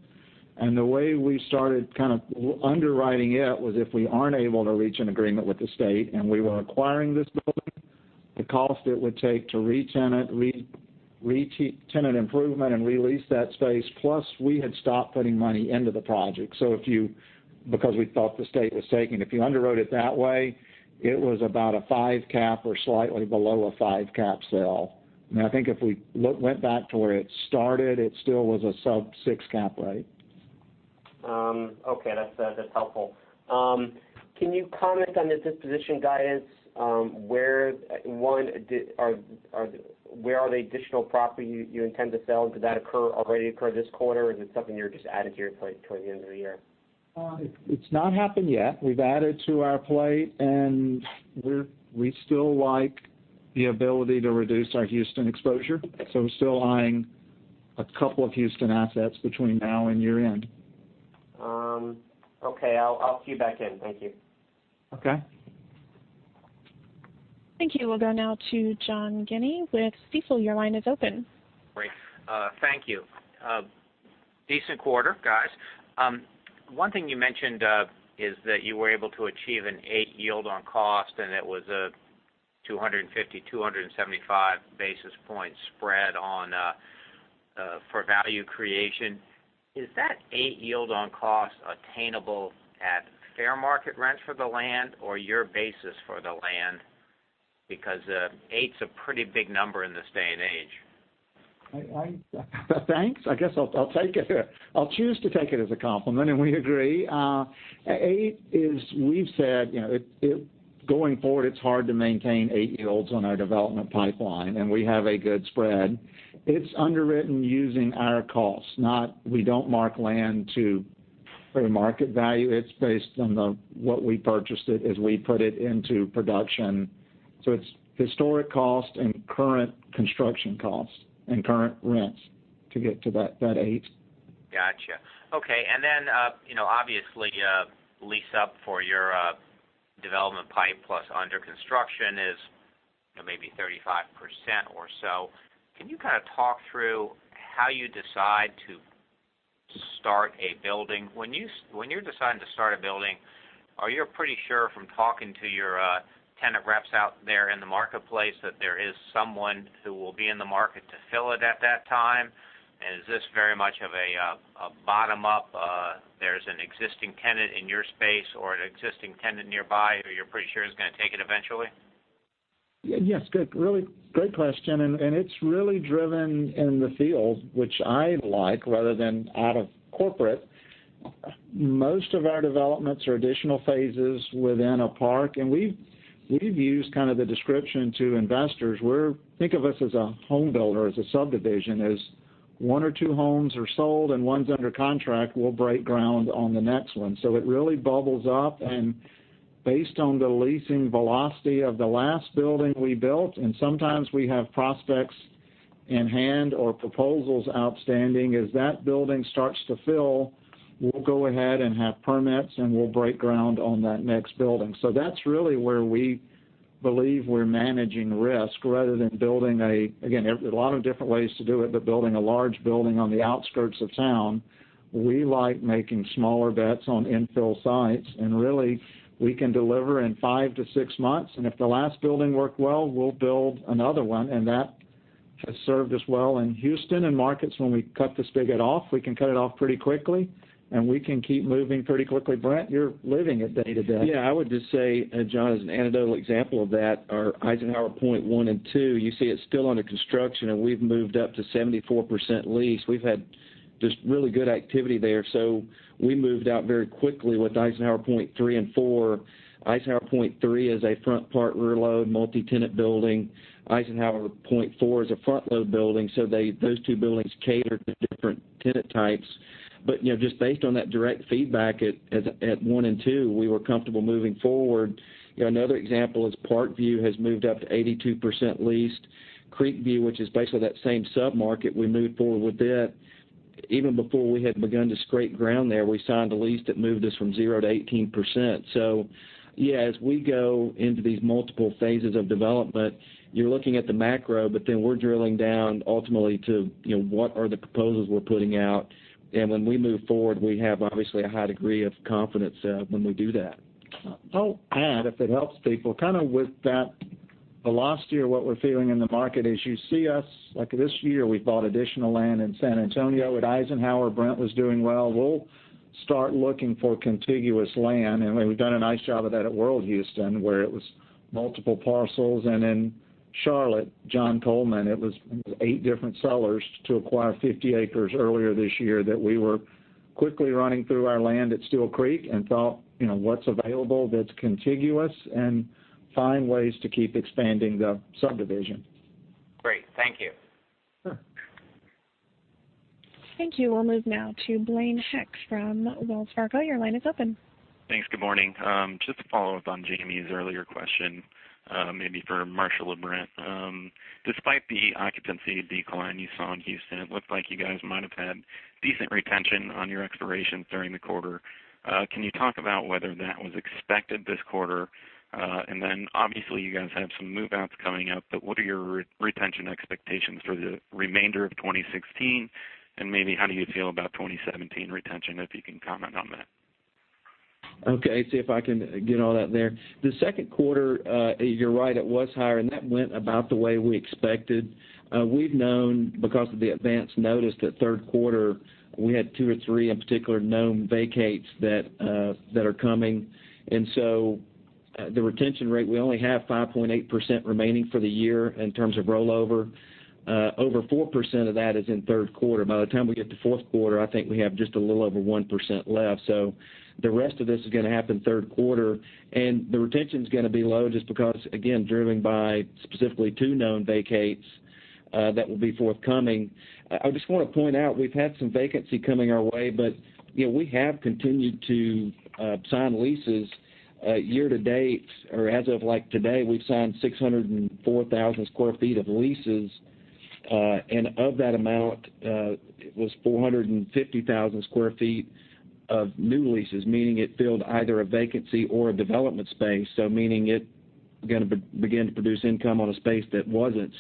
Speaker 2: and the way we started kind of underwriting it was if we aren't able to reach an agreement with the state and we were acquiring this building, the cost it would take to re-tenant, re-tenant improvement and re-lease that space. Plus, we had stopped putting money into the project. We thought the state was taking it. If you underwrote it that way, it was about a 5 cap or slightly below a 5 cap sale. I think if we went back to where it started, it still was a sub-6 cap rate.
Speaker 9: Okay. That's helpful. Can you comment on the disposition guidance? One, where are the additional property you intend to sell? Did that already occur this quarter, or is it something you're just adding to your plate towards the end of the year?
Speaker 2: It's not happened yet. We've added to our plate, we still like the ability to reduce our Houston exposure. We're still eyeing a couple of Houston assets between now and year-end.
Speaker 9: Okay. I'll queue back in. Thank you.
Speaker 2: Okay.
Speaker 1: Thank you. We'll go now to John Guinee with Stifel. Your line is open.
Speaker 10: Great. Thank you. Decent quarter, guys. One thing you mentioned is that you were able to achieve an eight yield on cost, and it was a 250, 275 basis points spread for value creation. Is that eight yield on cost attainable at fair market rents for the land or your basis for the land? Because eight's a pretty big number in this day and age.
Speaker 2: Thanks. I guess I'll take it. I'll choose to take it as a compliment. We agree. Eight is, we've said, going forward, it's hard to maintain eight yields on our development pipeline. We have a good spread. It's underwritten using our costs. We don't mark land to fair market value. It's based on what we purchased it as we put it into production. It's historic cost and current construction costs and current rents to get to that eight.
Speaker 10: Got you. Okay. Obviously, lease up for your development pipe plus under construction is maybe 35% or so. Can you kind of talk through how you decide to start a building? When you're deciding to start a building, are you pretty sure from talking to your tenant reps out there in the marketplace that there is someone who will be in the market to fill it at that time? Is this very much of a bottom-up, there's an existing tenant in your space or an existing tenant nearby who you're pretty sure is going to take it eventually?
Speaker 2: Yes. Good. Really great question. It's really driven in the field, which I like, rather than out of corporate. Most of our developments are additional phases within a park, and we've used kind of the description to investors, think of us as a home builder, as a subdivision. As one or two homes are sold and one's under contract, we'll break ground on the next one. It really bubbles up, and based on the leasing velocity of the last building we built, and sometimes we have prospects in hand or proposals outstanding, as that building starts to fill, we'll go ahead and have permits, and we'll break ground on that next building. That's really where we believe we're managing risk rather than building a large building on the outskirts of town. We like making smaller bets on infill sites. Really, we can deliver in five to six months, and if the last building worked well, we'll build another one. That has served us well in Houston and markets when we cut the spigot off, we can cut it off pretty quickly, and we can keep moving pretty quickly. Brent, you're living it day-to-day.
Speaker 4: I would just say, John, as an anecdotal example of that, our Eisenhower Point one and two, you see it's still under construction, and we've moved up to 74% leased. We've had just really good activity there. We moved out very quickly with Eisenhower Point three and four. Eisenhower Point three is a front part rear load multi-tenant building. Eisenhower Point four is a front load building. Those two buildings cater to different tenant types. Just based on that direct feedback at one and two, we were comfortable moving forward. Another example is ParkView has moved up to 82% leased. Creekview, which is basically that same sub-market, we moved forward with that. Even before we had begun to scrape ground there, we signed a lease that moved us from zero to 18%. Yes, we go into these multiple phases of development. You're looking at the macro, then we're drilling down ultimately to, what are the proposals we're putting out? When we move forward, we have obviously a high degree of confidence when we do that.
Speaker 2: I'll add, if it helps people, kind of with that velocity or what we're feeling in the market is you see us, like this year, we bought additional land in San Antonio at Eisenhower. Brent was doing well. We'll start looking for contiguous land, we've done a nice job of that at World Houston, where it was multiple parcels. In Charlotte, John Coleman, it was eight different sellers to acquire 50 acres earlier this year that we were quickly running through our land at Steele Creek and thought, what's available that's contiguous and find ways to keep expanding the subdivision.
Speaker 10: Great. Thank you.
Speaker 2: Sure.
Speaker 1: Thank you. We'll move now to Blaine Heck from Wells Fargo. Your line is open.
Speaker 11: Thanks. Good morning. Just to follow up on Jamie's earlier question, maybe for Marshall or Brent. Despite the occupancy decline you saw in Houston, it looked like you guys might have had decent retention on your expirations during the quarter. Can you talk about whether that was expected this quarter? Obviously, you guys have some move-outs coming up, but what are your retention expectations for the remainder of 2016? Maybe how do you feel about 2017 retention, if you can comment on that?
Speaker 4: Okay. See if I can get all that there. The second quarter, you're right, it was higher, and that went about the way we expected. We've known because of the advance notice that third quarter, we had two or three in particular known vacates that are coming. The retention rate, we only have 5.8% remaining for the year in terms of rollover. Over 4% of that is in third quarter. By the time we get to fourth quarter, I think we have just a little over 1% left. The rest of this is going to happen third quarter, and the retention's going to be low just because, again, driven by specifically two known vacates that will be forthcoming. I just want to point out, we've had some vacancy coming our way, but we have continued to sign leases year to date, or as of today, we've signed 604,000 square feet of leases. Of that amount, it was 450,000 square feet of new leases, meaning it filled either a vacancy or a development space, meaning it Going to begin to produce income on a space that wasn't.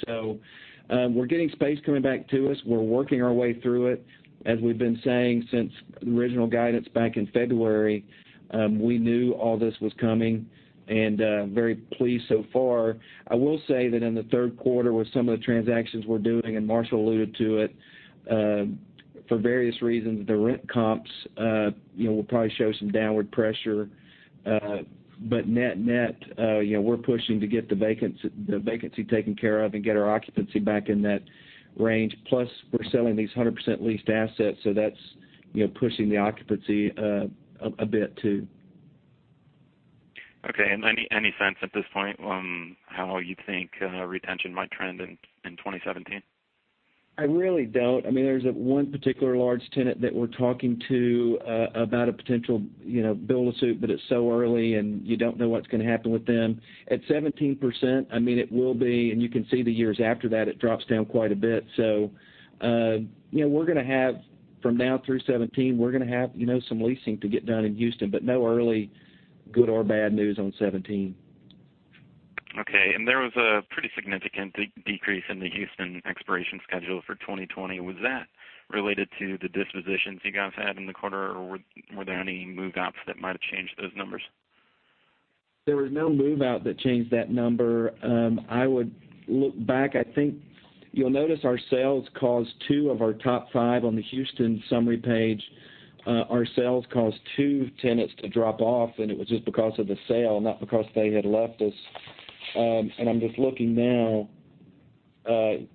Speaker 4: We're getting space coming back to us. We're working our way through it. As we've been saying since the original guidance back in February, we knew all this was coming, and very pleased so far. I will say that in the third quarter with some of the transactions we're doing, and Marshall alluded to it, for various reasons, the rent comps will probably show some downward pressure. Net-net, we're pushing to get the vacancy taken care of and get our occupancy back in that range. Plus, we're selling these 100% leased assets, that's pushing the occupancy a bit, too.
Speaker 11: Okay. Any sense at this point on how you think retention might trend in 2017?
Speaker 4: I really don't. There's one particular large tenant that we're talking to about a potential build-to-suit, but it's so early and you don't know what's going to happen with them. At 17%, it will be, you can see the years after that, it drops down quite a bit. From now through 2017, we're going to have some leasing to get done in Houston, but no early good or bad news on 2017.
Speaker 11: Okay. There was a pretty significant decrease in the Houston expiration schedule for 2020. Was that related to the dispositions you guys had in the quarter, or were there any move-outs that might have changed those numbers?
Speaker 4: There was no move-out that changed that number. I would look back. You'll notice our sales caused two of our top five on the Houston summary page. Our sales caused two tenants to drop off, and it was just because of the sale, not because they had left us. I'm just looking now.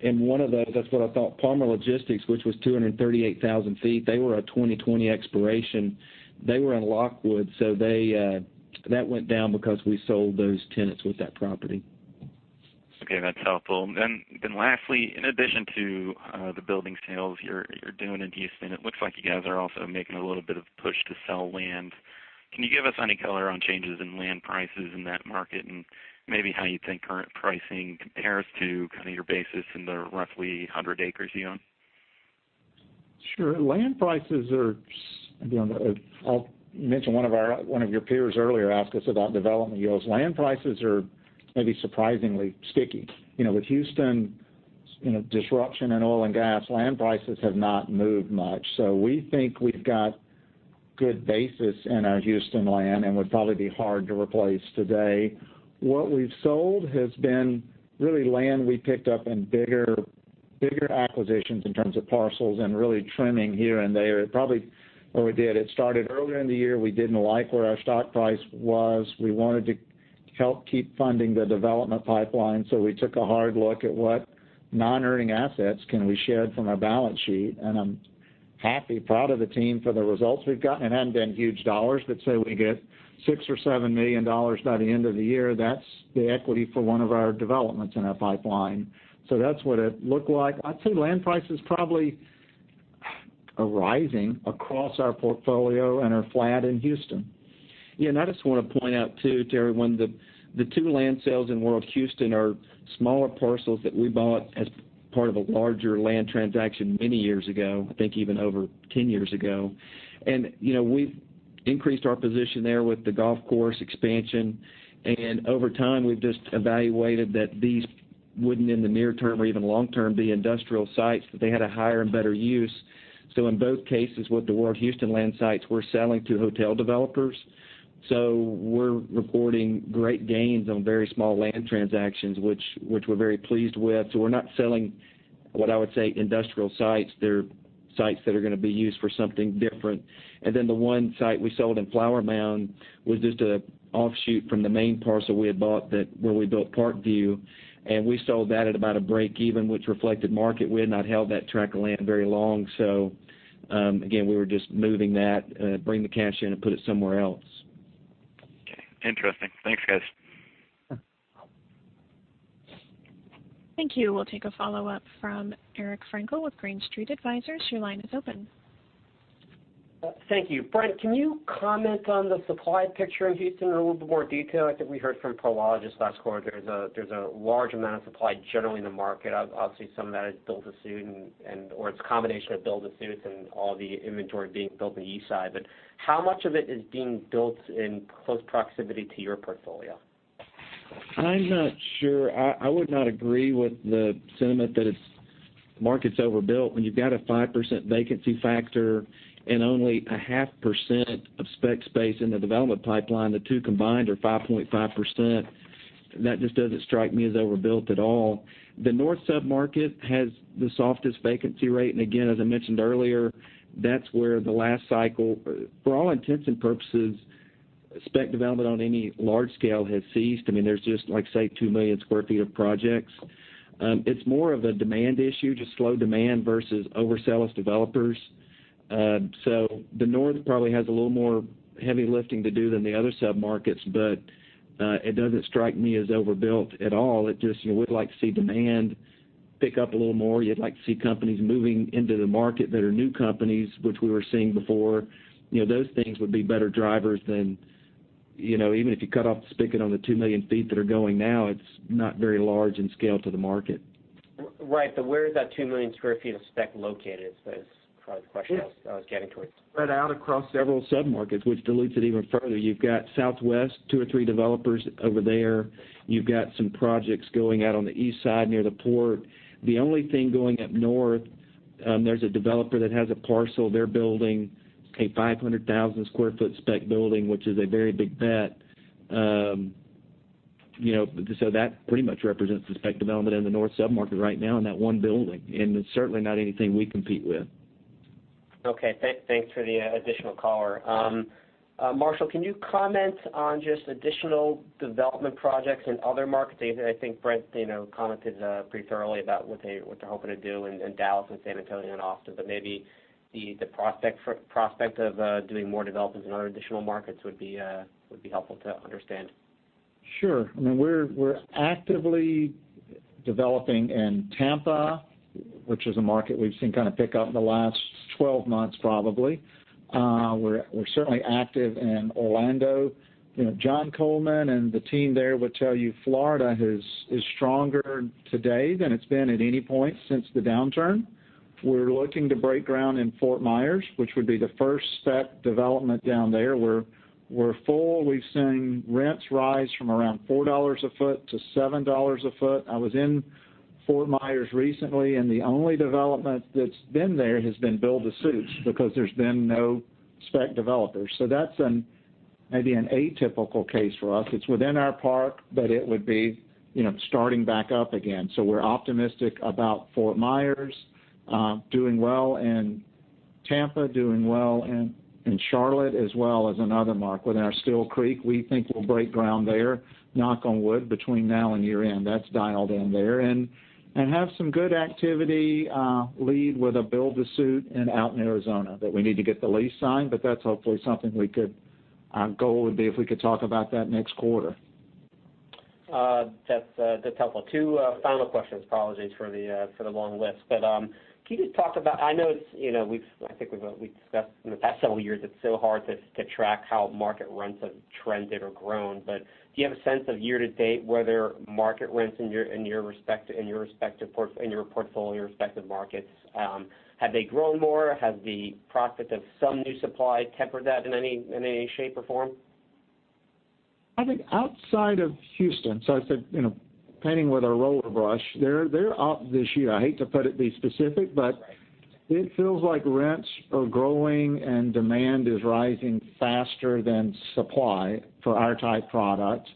Speaker 4: In one of those, that's what I thought, Palmer Logistics, which was 238,000 feet, they were a 2020 expiration. They were in Lockwood. That went down because we sold those tenants with that property.
Speaker 11: Okay, that's helpful. Lastly, in addition to the building sales you're doing in Houston, it looks like you guys are also making a little bit of push to sell land. Can you give us any color on changes in land prices in that market, and maybe how you think current pricing compares to kind of your basis in the roughly 100 acres you own?
Speaker 2: Sure. Land prices are I'll mention one of your peers earlier asked us about development yields. Land prices are maybe surprisingly sticky. With Houston disruption in oil and gas, land prices have not moved much. We think we've got good basis in our Houston land and would probably be hard to replace today. What we've sold has been really land we picked up in bigger acquisitions in terms of parcels and really trimming here and there. Probably what we did, it started earlier in the year. We didn't like where our stock price was. We wanted to help keep funding the development pipeline. We took a hard look at what non-earning assets can we shed from our balance sheet. I'm happy, proud of the team for the results we've gotten. It hasn't been huge dollars, but say we get $6 million or $7 million by the end of the year. That's the equity for one of our developments in our pipeline. That's what it looked like. I'd say land prices probably are rising across our portfolio and are flat in Houston.
Speaker 4: Yeah, I just want to point out, too, Terry, the two land sales in World Houston are smaller parcels that we bought as part of a larger land transaction many years ago, I think even over 10 years ago. We've increased our position there with the golf course expansion. Over time, we've just evaluated that these wouldn't, in the near term or even long term, be industrial sites, that they had a higher and better use. In both cases, with the World Houston land sites, we're selling to hotel developers. We're reporting great gains on very small land transactions, which we're very pleased with. We're not selling what I would say industrial sites. They're sites that are going to be used for something different. The one site we sold in Flower Mound was just an offshoot from the main parcel we had bought where we built ParkView, and we sold that at about a break even, which reflected market. We had not held that tract of land very long. Again, we were just moving that, bring the cash in and put it somewhere else.
Speaker 11: Okay. Interesting. Thanks, guys.
Speaker 1: Thank you. We'll take a follow-up from Eric Frankel with Green Street Advisors. Your line is open.
Speaker 9: Thank you. Brent, can you comment on the supply picture in Houston in a little bit more detail? I think we heard from Prologis last quarter there's a large amount of supply generally in the market. Obviously, some of that is build-to-suit or it's a combination of build-to-suits and all the inventory being built in the east side. How much of it is being built in close proximity to your portfolio?
Speaker 4: I'm not sure. I would not agree with the sentiment that the market's overbuilt. When you've got a 5% vacancy factor and only 0.5% of spec space in the development pipeline, the two combined are 5.5%. That just doesn't strike me as overbuilt at all. The north sub-market has the softest vacancy rate, and again, as I mentioned earlier, that's where the last cycle, for all intents and purposes, spec development on any large scale has ceased. There's just, say, 2 million square feet of projects. It's more of a demand issue, just slow demand versus overzealous developers. The north probably has a little more heavy lifting to do than the other sub-markets, but it doesn't strike me as overbuilt at all. We'd like to see demand pick up a little more. You'd like to see companies moving into the market that are new companies, which we were seeing before. Those things would be better drivers than even if you cut off the spigot on the 2 million feet that are going now, it's not very large in scale to the market.
Speaker 9: Right. Where is that 2 million square feet of spec located is probably the question I was getting towards.
Speaker 2: Spread out across several submarkets, which dilutes it even further. You've got Southwest, two or three developers over there. You've got some projects going out on the east side near the port. The only thing going up north, there's a developer that has a parcel. They're building a 500,000 square foot spec building, which is a very big bet. That pretty much represents the spec development in the north submarket right now in that one building, and it's certainly not anything we compete with.
Speaker 9: Okay. Thanks for the additional color. Marshall, can you comment on just additional development projects in other markets? I think Brent commented pretty thoroughly about what they're hoping to do in Dallas and San Antonio and Austin. Maybe the prospect of doing more developments in other additional markets would be helpful to understand.
Speaker 2: Sure. We're actively developing in Tampa, which is a market we've seen kind of pick up in the last 12 months probably. We're certainly active in Orlando. John Coleman and the team there would tell you Florida is stronger today than it's been at any point since the downturn. We're looking to break ground in Fort Myers, which would be the first spec development down there. We're full. We've seen rents rise from around $4 a foot to $7 a foot. I was in Fort Myers recently, the only development that's been there has been build-to-suits because there's been no spec developers. That's maybe an atypical case for us. It's within our park, but it would be starting back up again. We're optimistic about Fort Myers, doing well in Tampa, doing well in Charlotte, as well as another market with our Steele Creek. We think we'll break ground there, knock on wood, between now and year-end. That's dialed in there. Have some good activity lead with a build-to-suit out in Arizona that we need to get the lease signed, that's hopefully something our goal would be if we could talk about that next quarter.
Speaker 9: That's helpful. Two final questions. Apologies for the long list. Can you just talk about, I know I think we've discussed in the past several years, it's so hard to track how market rents have trended or grown. Do you have a sense of year to date whether market rents in your respective portfolio, your respective markets, have they grown more? Has the prospect of some new supply tempered that in any shape or form?
Speaker 2: I think outside of Houston, I said painting with a roller brush, they are up this year. I hate to be specific, but it feels like rents are growing and demand is rising faster than supply for our type product.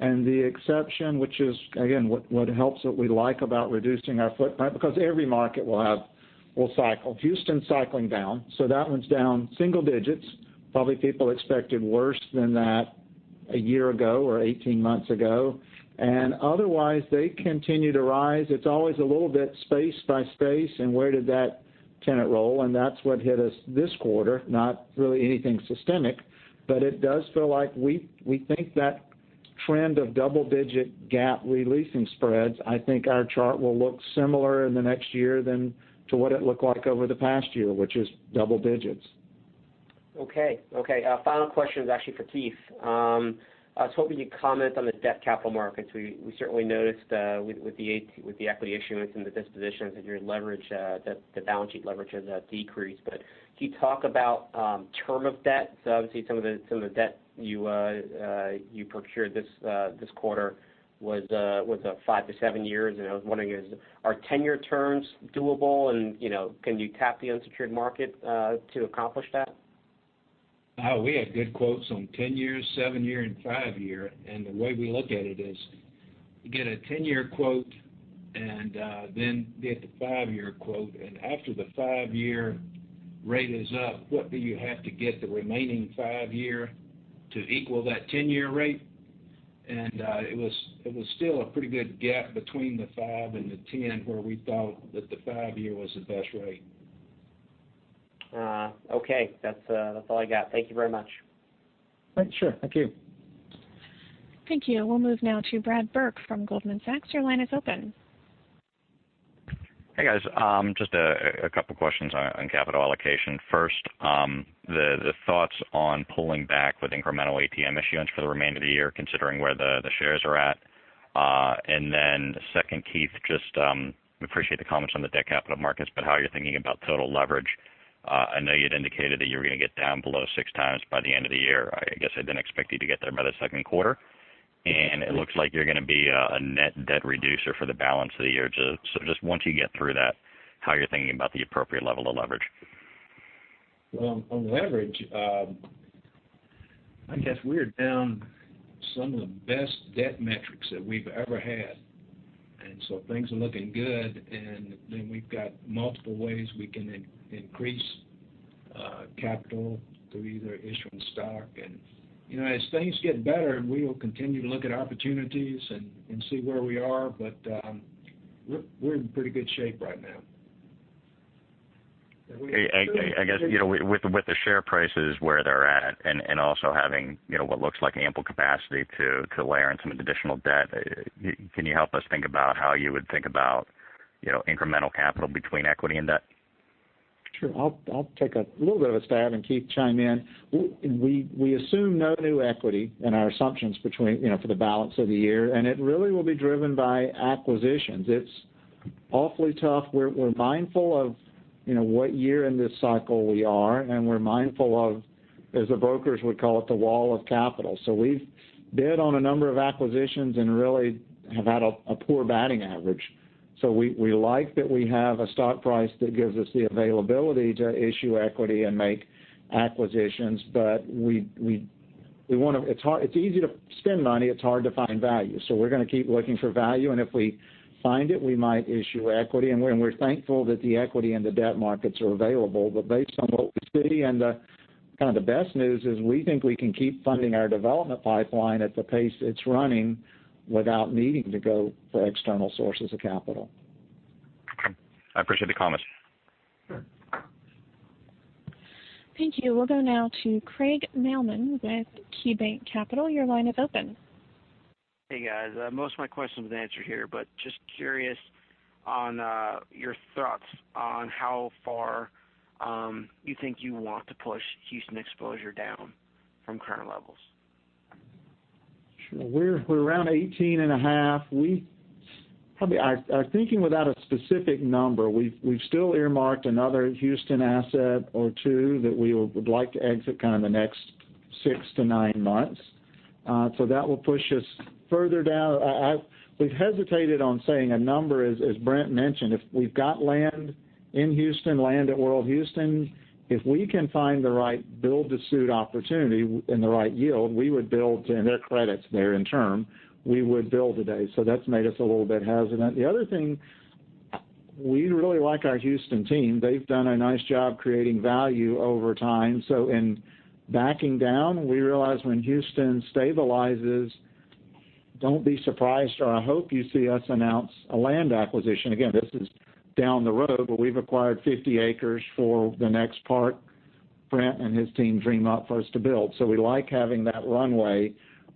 Speaker 2: The exception, which is, again, what helps, what we like about reducing our footprint, because every market will cycle. Houston's cycling down, so that one's down single digits. Probably people expected worse than that a year ago or 18 months ago. Otherwise, they continue to rise. It is always a little bit space by space and where did that tenant roll, and that is what hit us this quarter, not really anything systemic. It does feel like we think that trend of double-digit GAAP re-leasing spreads, I think our chart will look similar in the next year than to what it looked like over the past year, which is double digits.
Speaker 9: Okay. Final question is actually for Keith. I was hoping you would comment on the debt capital markets. We certainly noticed with the equity issuance and the dispositions that your leverage, the balance sheet leverage has decreased. Can you talk about term of debt? Obviously, some of the debt you procured this quarter was five to seven years, and I was wondering, are 10-year terms doable, and can you tap the unsecured market to accomplish that?
Speaker 2: We had good quotes on 10-year, seven-year, and five-year. The way we look at it is you get a 10-year quote and then get the five-year quote. After the five-year rate is up, what do you have to get the remaining five-year to equal that 10-year rate? It was still a pretty good gap between the five and the 10, where we thought that the five-year was the best rate.
Speaker 9: Okay. That's all I got. Thank you very much.
Speaker 2: Sure. Thank you.
Speaker 1: Thank you. We'll move now to Brad Burke from Goldman Sachs. Your line is open.
Speaker 12: Hey, guys. Just a couple questions on capital allocation. First, the thoughts on pulling back with incremental ATM issuance for the remainder of the year, considering where the shares are at. Then second, Keith, just appreciate the comments on the debt capital markets, but how are you thinking about total leverage? I know you'd indicated that you were going to get down below six times by the end of the year. I guess I didn't expect you to get there by the second quarter. It looks like you're going to be a net debt reducer for the balance of the year. Just once you get through that, how are you thinking about the appropriate level of leverage?
Speaker 2: Well, on leverage, I guess we're down some of the best debt metrics that we've ever had. Things are looking good. We've got multiple ways we can increase capital through either issuing stock. As things get better, we will continue to look at opportunities and see where we are. We're in pretty good shape right now.
Speaker 12: I guess, with the share prices where they're at and also having what looks like ample capacity to layer in some additional debt, can you help us think about how you would think about incremental capital between equity and debt?
Speaker 2: Sure. I'll take a little bit of a stab. Keith chime in. We assume no new equity in our assumptions for the balance of the year. It really will be driven by acquisitions. It's awfully tough. We're mindful of what year in this cycle we are. We're mindful of, as the brokers would call it, the wall of capital. We've bid on a number of acquisitions and really have had a poor batting average. We like that we have a stock price that gives us the availability to issue equity and make acquisitions. It's easy to spend money. It's hard to find value. We're going to keep looking for value. If we find it, we might issue equity. We're thankful that the equity and the debt markets are available. Based on what we see, the kind of the best news is we think we can keep funding our development pipeline at the pace it's running without needing to go for external sources of capital.
Speaker 12: Okay. I appreciate the comments.
Speaker 2: Sure.
Speaker 1: Thank you. We'll go now to Craig Mailman with KeyBanc Capital. Your line is open.
Speaker 13: Hey, guys. Most of my questions were answered here, just curious on your thoughts on how far you think you want to push Houston exposure down from current levels.
Speaker 2: Sure. We're around 18.5. Probably, I'm thinking without a specific number. We've still earmarked another Houston asset or two that we would like to exit kind of the next six to nine months. That will push us further down. We've hesitated on saying a number. As Brent mentioned, if we've got land in Houston, land at World Houston, if we can find the right build-to-suit opportunity and the right yield, we would build, and they're credits, they're in term, we would build today. That's made us a little bit hesitant. The other thing, we really like our Houston team. They've done a nice job creating value over time. In backing down, we realize when Houston stabilizes, don't be surprised, or I hope you see us announce a land acquisition. This is down the road, we've acquired 50 acres for the next part Brent and his team dream up for us to build. We like having that runway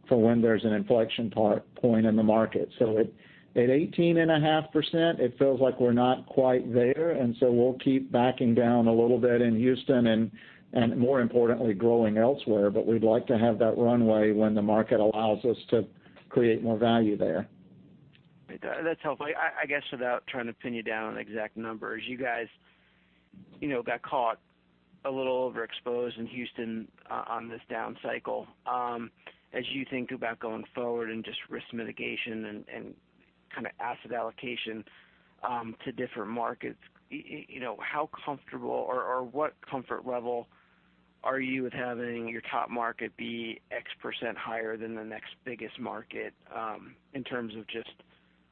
Speaker 2: for when there's an inflection point in the market. At 18.5%, it feels like we're not quite there, we'll keep backing down a little bit in Houston and more importantly, growing elsewhere. We'd like to have that runway when the market allows us to create more value there.
Speaker 13: That's helpful. I guess without trying to pin you down on exact numbers, you guys got caught a little overexposed in Houston on this down cycle. As you think about going forward and just risk mitigation and kind of asset allocation to different markets, how comfortable or what comfort level are you with having your top market be X% higher than the next biggest market in terms of just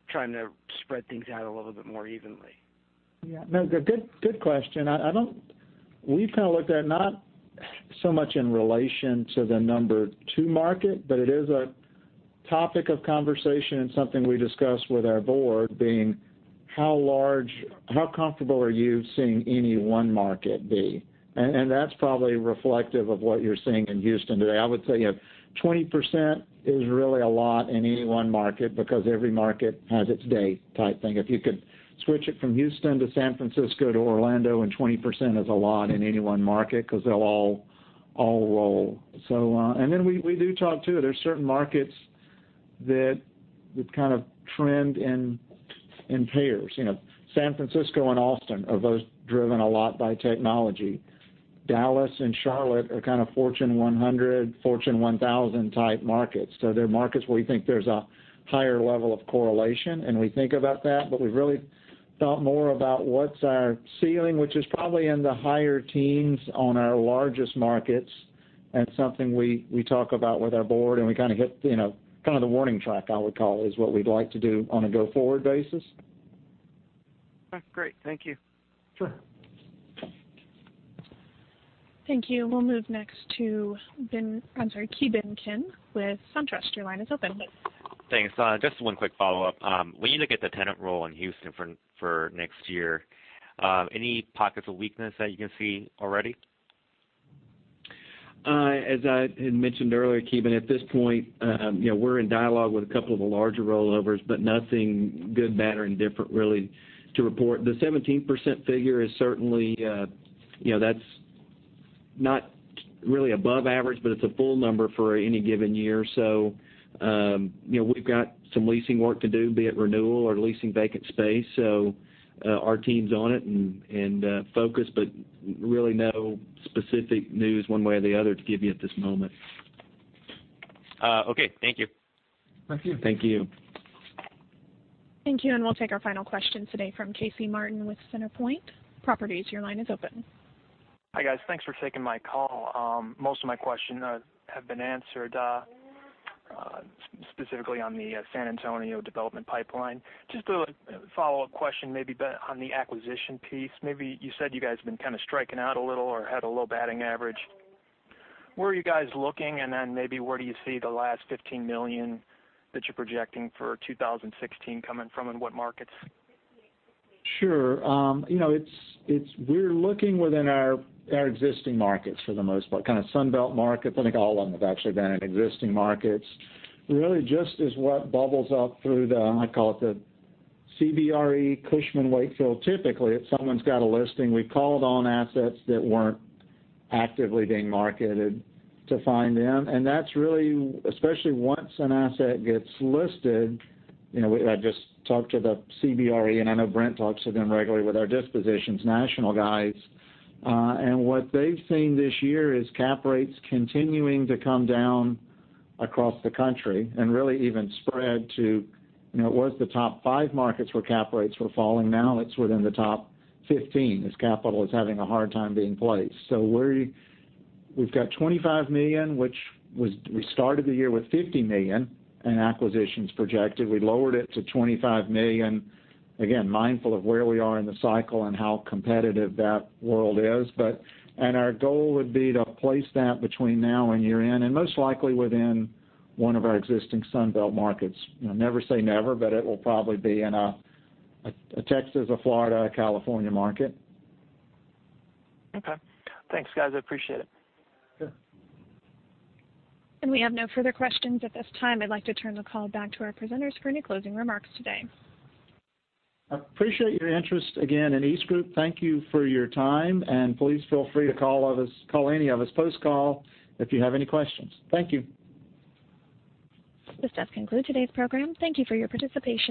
Speaker 13: trying to spread things out a little bit more evenly?
Speaker 2: Good question. We've kind of looked at not so much in relation to the number 2 market, it is a topic of conversation and something we discuss with our board, being how comfortable are you seeing any one market be? That's probably reflective of what you're seeing in Houston today. I would say 20% is really a lot in any one market because every market has its day type thing. If you could switch it from Houston to San Francisco to Orlando, 20% is a lot in any one market because they'll all roll. We do talk too, there's certain markets that kind of trend in pairs. San Francisco and Austin are both driven a lot by technology. Dallas and Charlotte are kind of Fortune 100, Fortune 1,000-type markets. They're markets where we think there's a higher level of correlation, we think about that. We've really thought more about what's our ceiling, which is probably in the higher teens on our largest markets, something we talk about with our board, we kind of hit kind of the warning track, I would call, is what we'd like to do on a go-forward basis.
Speaker 13: Great. Thank you.
Speaker 2: Sure.
Speaker 1: Thank you. We'll move next to Ki Bin Kim with SunTrust. Your line is open.
Speaker 14: Thanks. Just one quick follow-up. When you look at the tenant roll in Houston for next year, any pockets of weakness that you can see already?
Speaker 4: As I had mentioned earlier, Ki Bin, at this point, we're in dialogue with a couple of the larger rollovers, but nothing good, bad, or indifferent really to report. The 17% figure is certainly, that's not really above average, but it's a full number for any given year. We've got some leasing work to do, be it renewal or leasing vacant space. Our team's on it and focused, but really no specific news one way or the other to give you at this moment.
Speaker 14: Okay. Thank you.
Speaker 4: Thank you.
Speaker 2: Thank you.
Speaker 1: Thank you. We'll take our final question today from Casey Martin with CenterPoint Properties. Your line is open.
Speaker 15: Hi, guys. Thanks for taking my call. Most of my questions have been answered, specifically on the San Antonio development pipeline. Just a follow-up question maybe on the acquisition piece. Maybe you said you guys have been kind of striking out a little or had a low batting average. Where are you guys looking? Maybe where do you see the last $15 million that you're projecting for 2016 coming from, and what markets?
Speaker 2: Sure. We're looking within our existing markets for the most part, kind of Sun Belt markets. I think all of them have actually been in existing markets. Really just as what bubbles up through the, I call it the CBRE, Cushman & Wakefield. Typically, if someone's got a listing, we've called on assets that weren't actively being marketed to find them, and that's really, especially once an asset gets listed, I just talked to the CBRE, and I know Brent talks to them regularly with our dispositions, national guys. What they've seen this year is cap rates continuing to come down across the country and really even spread to, it was the top five markets where cap rates were falling. Now it's within the top 15 as capital is having a hard time being placed. We've got $25 million, which we started the year with $50 million in acquisitions projected. We lowered it to $25 million. Again, mindful of where we are in the cycle and how competitive that world is. Our goal would be to place that between now and year-end, and most likely within one of our existing Sun Belt markets. Never say never, but it will probably be in a Texas, a Florida, a California market.
Speaker 15: Okay. Thanks, guys. I appreciate it.
Speaker 2: Sure.
Speaker 1: We have no further questions at this time. I'd like to turn the call back to our presenters for any closing remarks today.
Speaker 2: Appreciate your interest again in EastGroup. Thank you for your time, and please feel free to call any of us post-call if you have any questions. Thank you.
Speaker 1: This does conclude today's program. Thank you for your participation.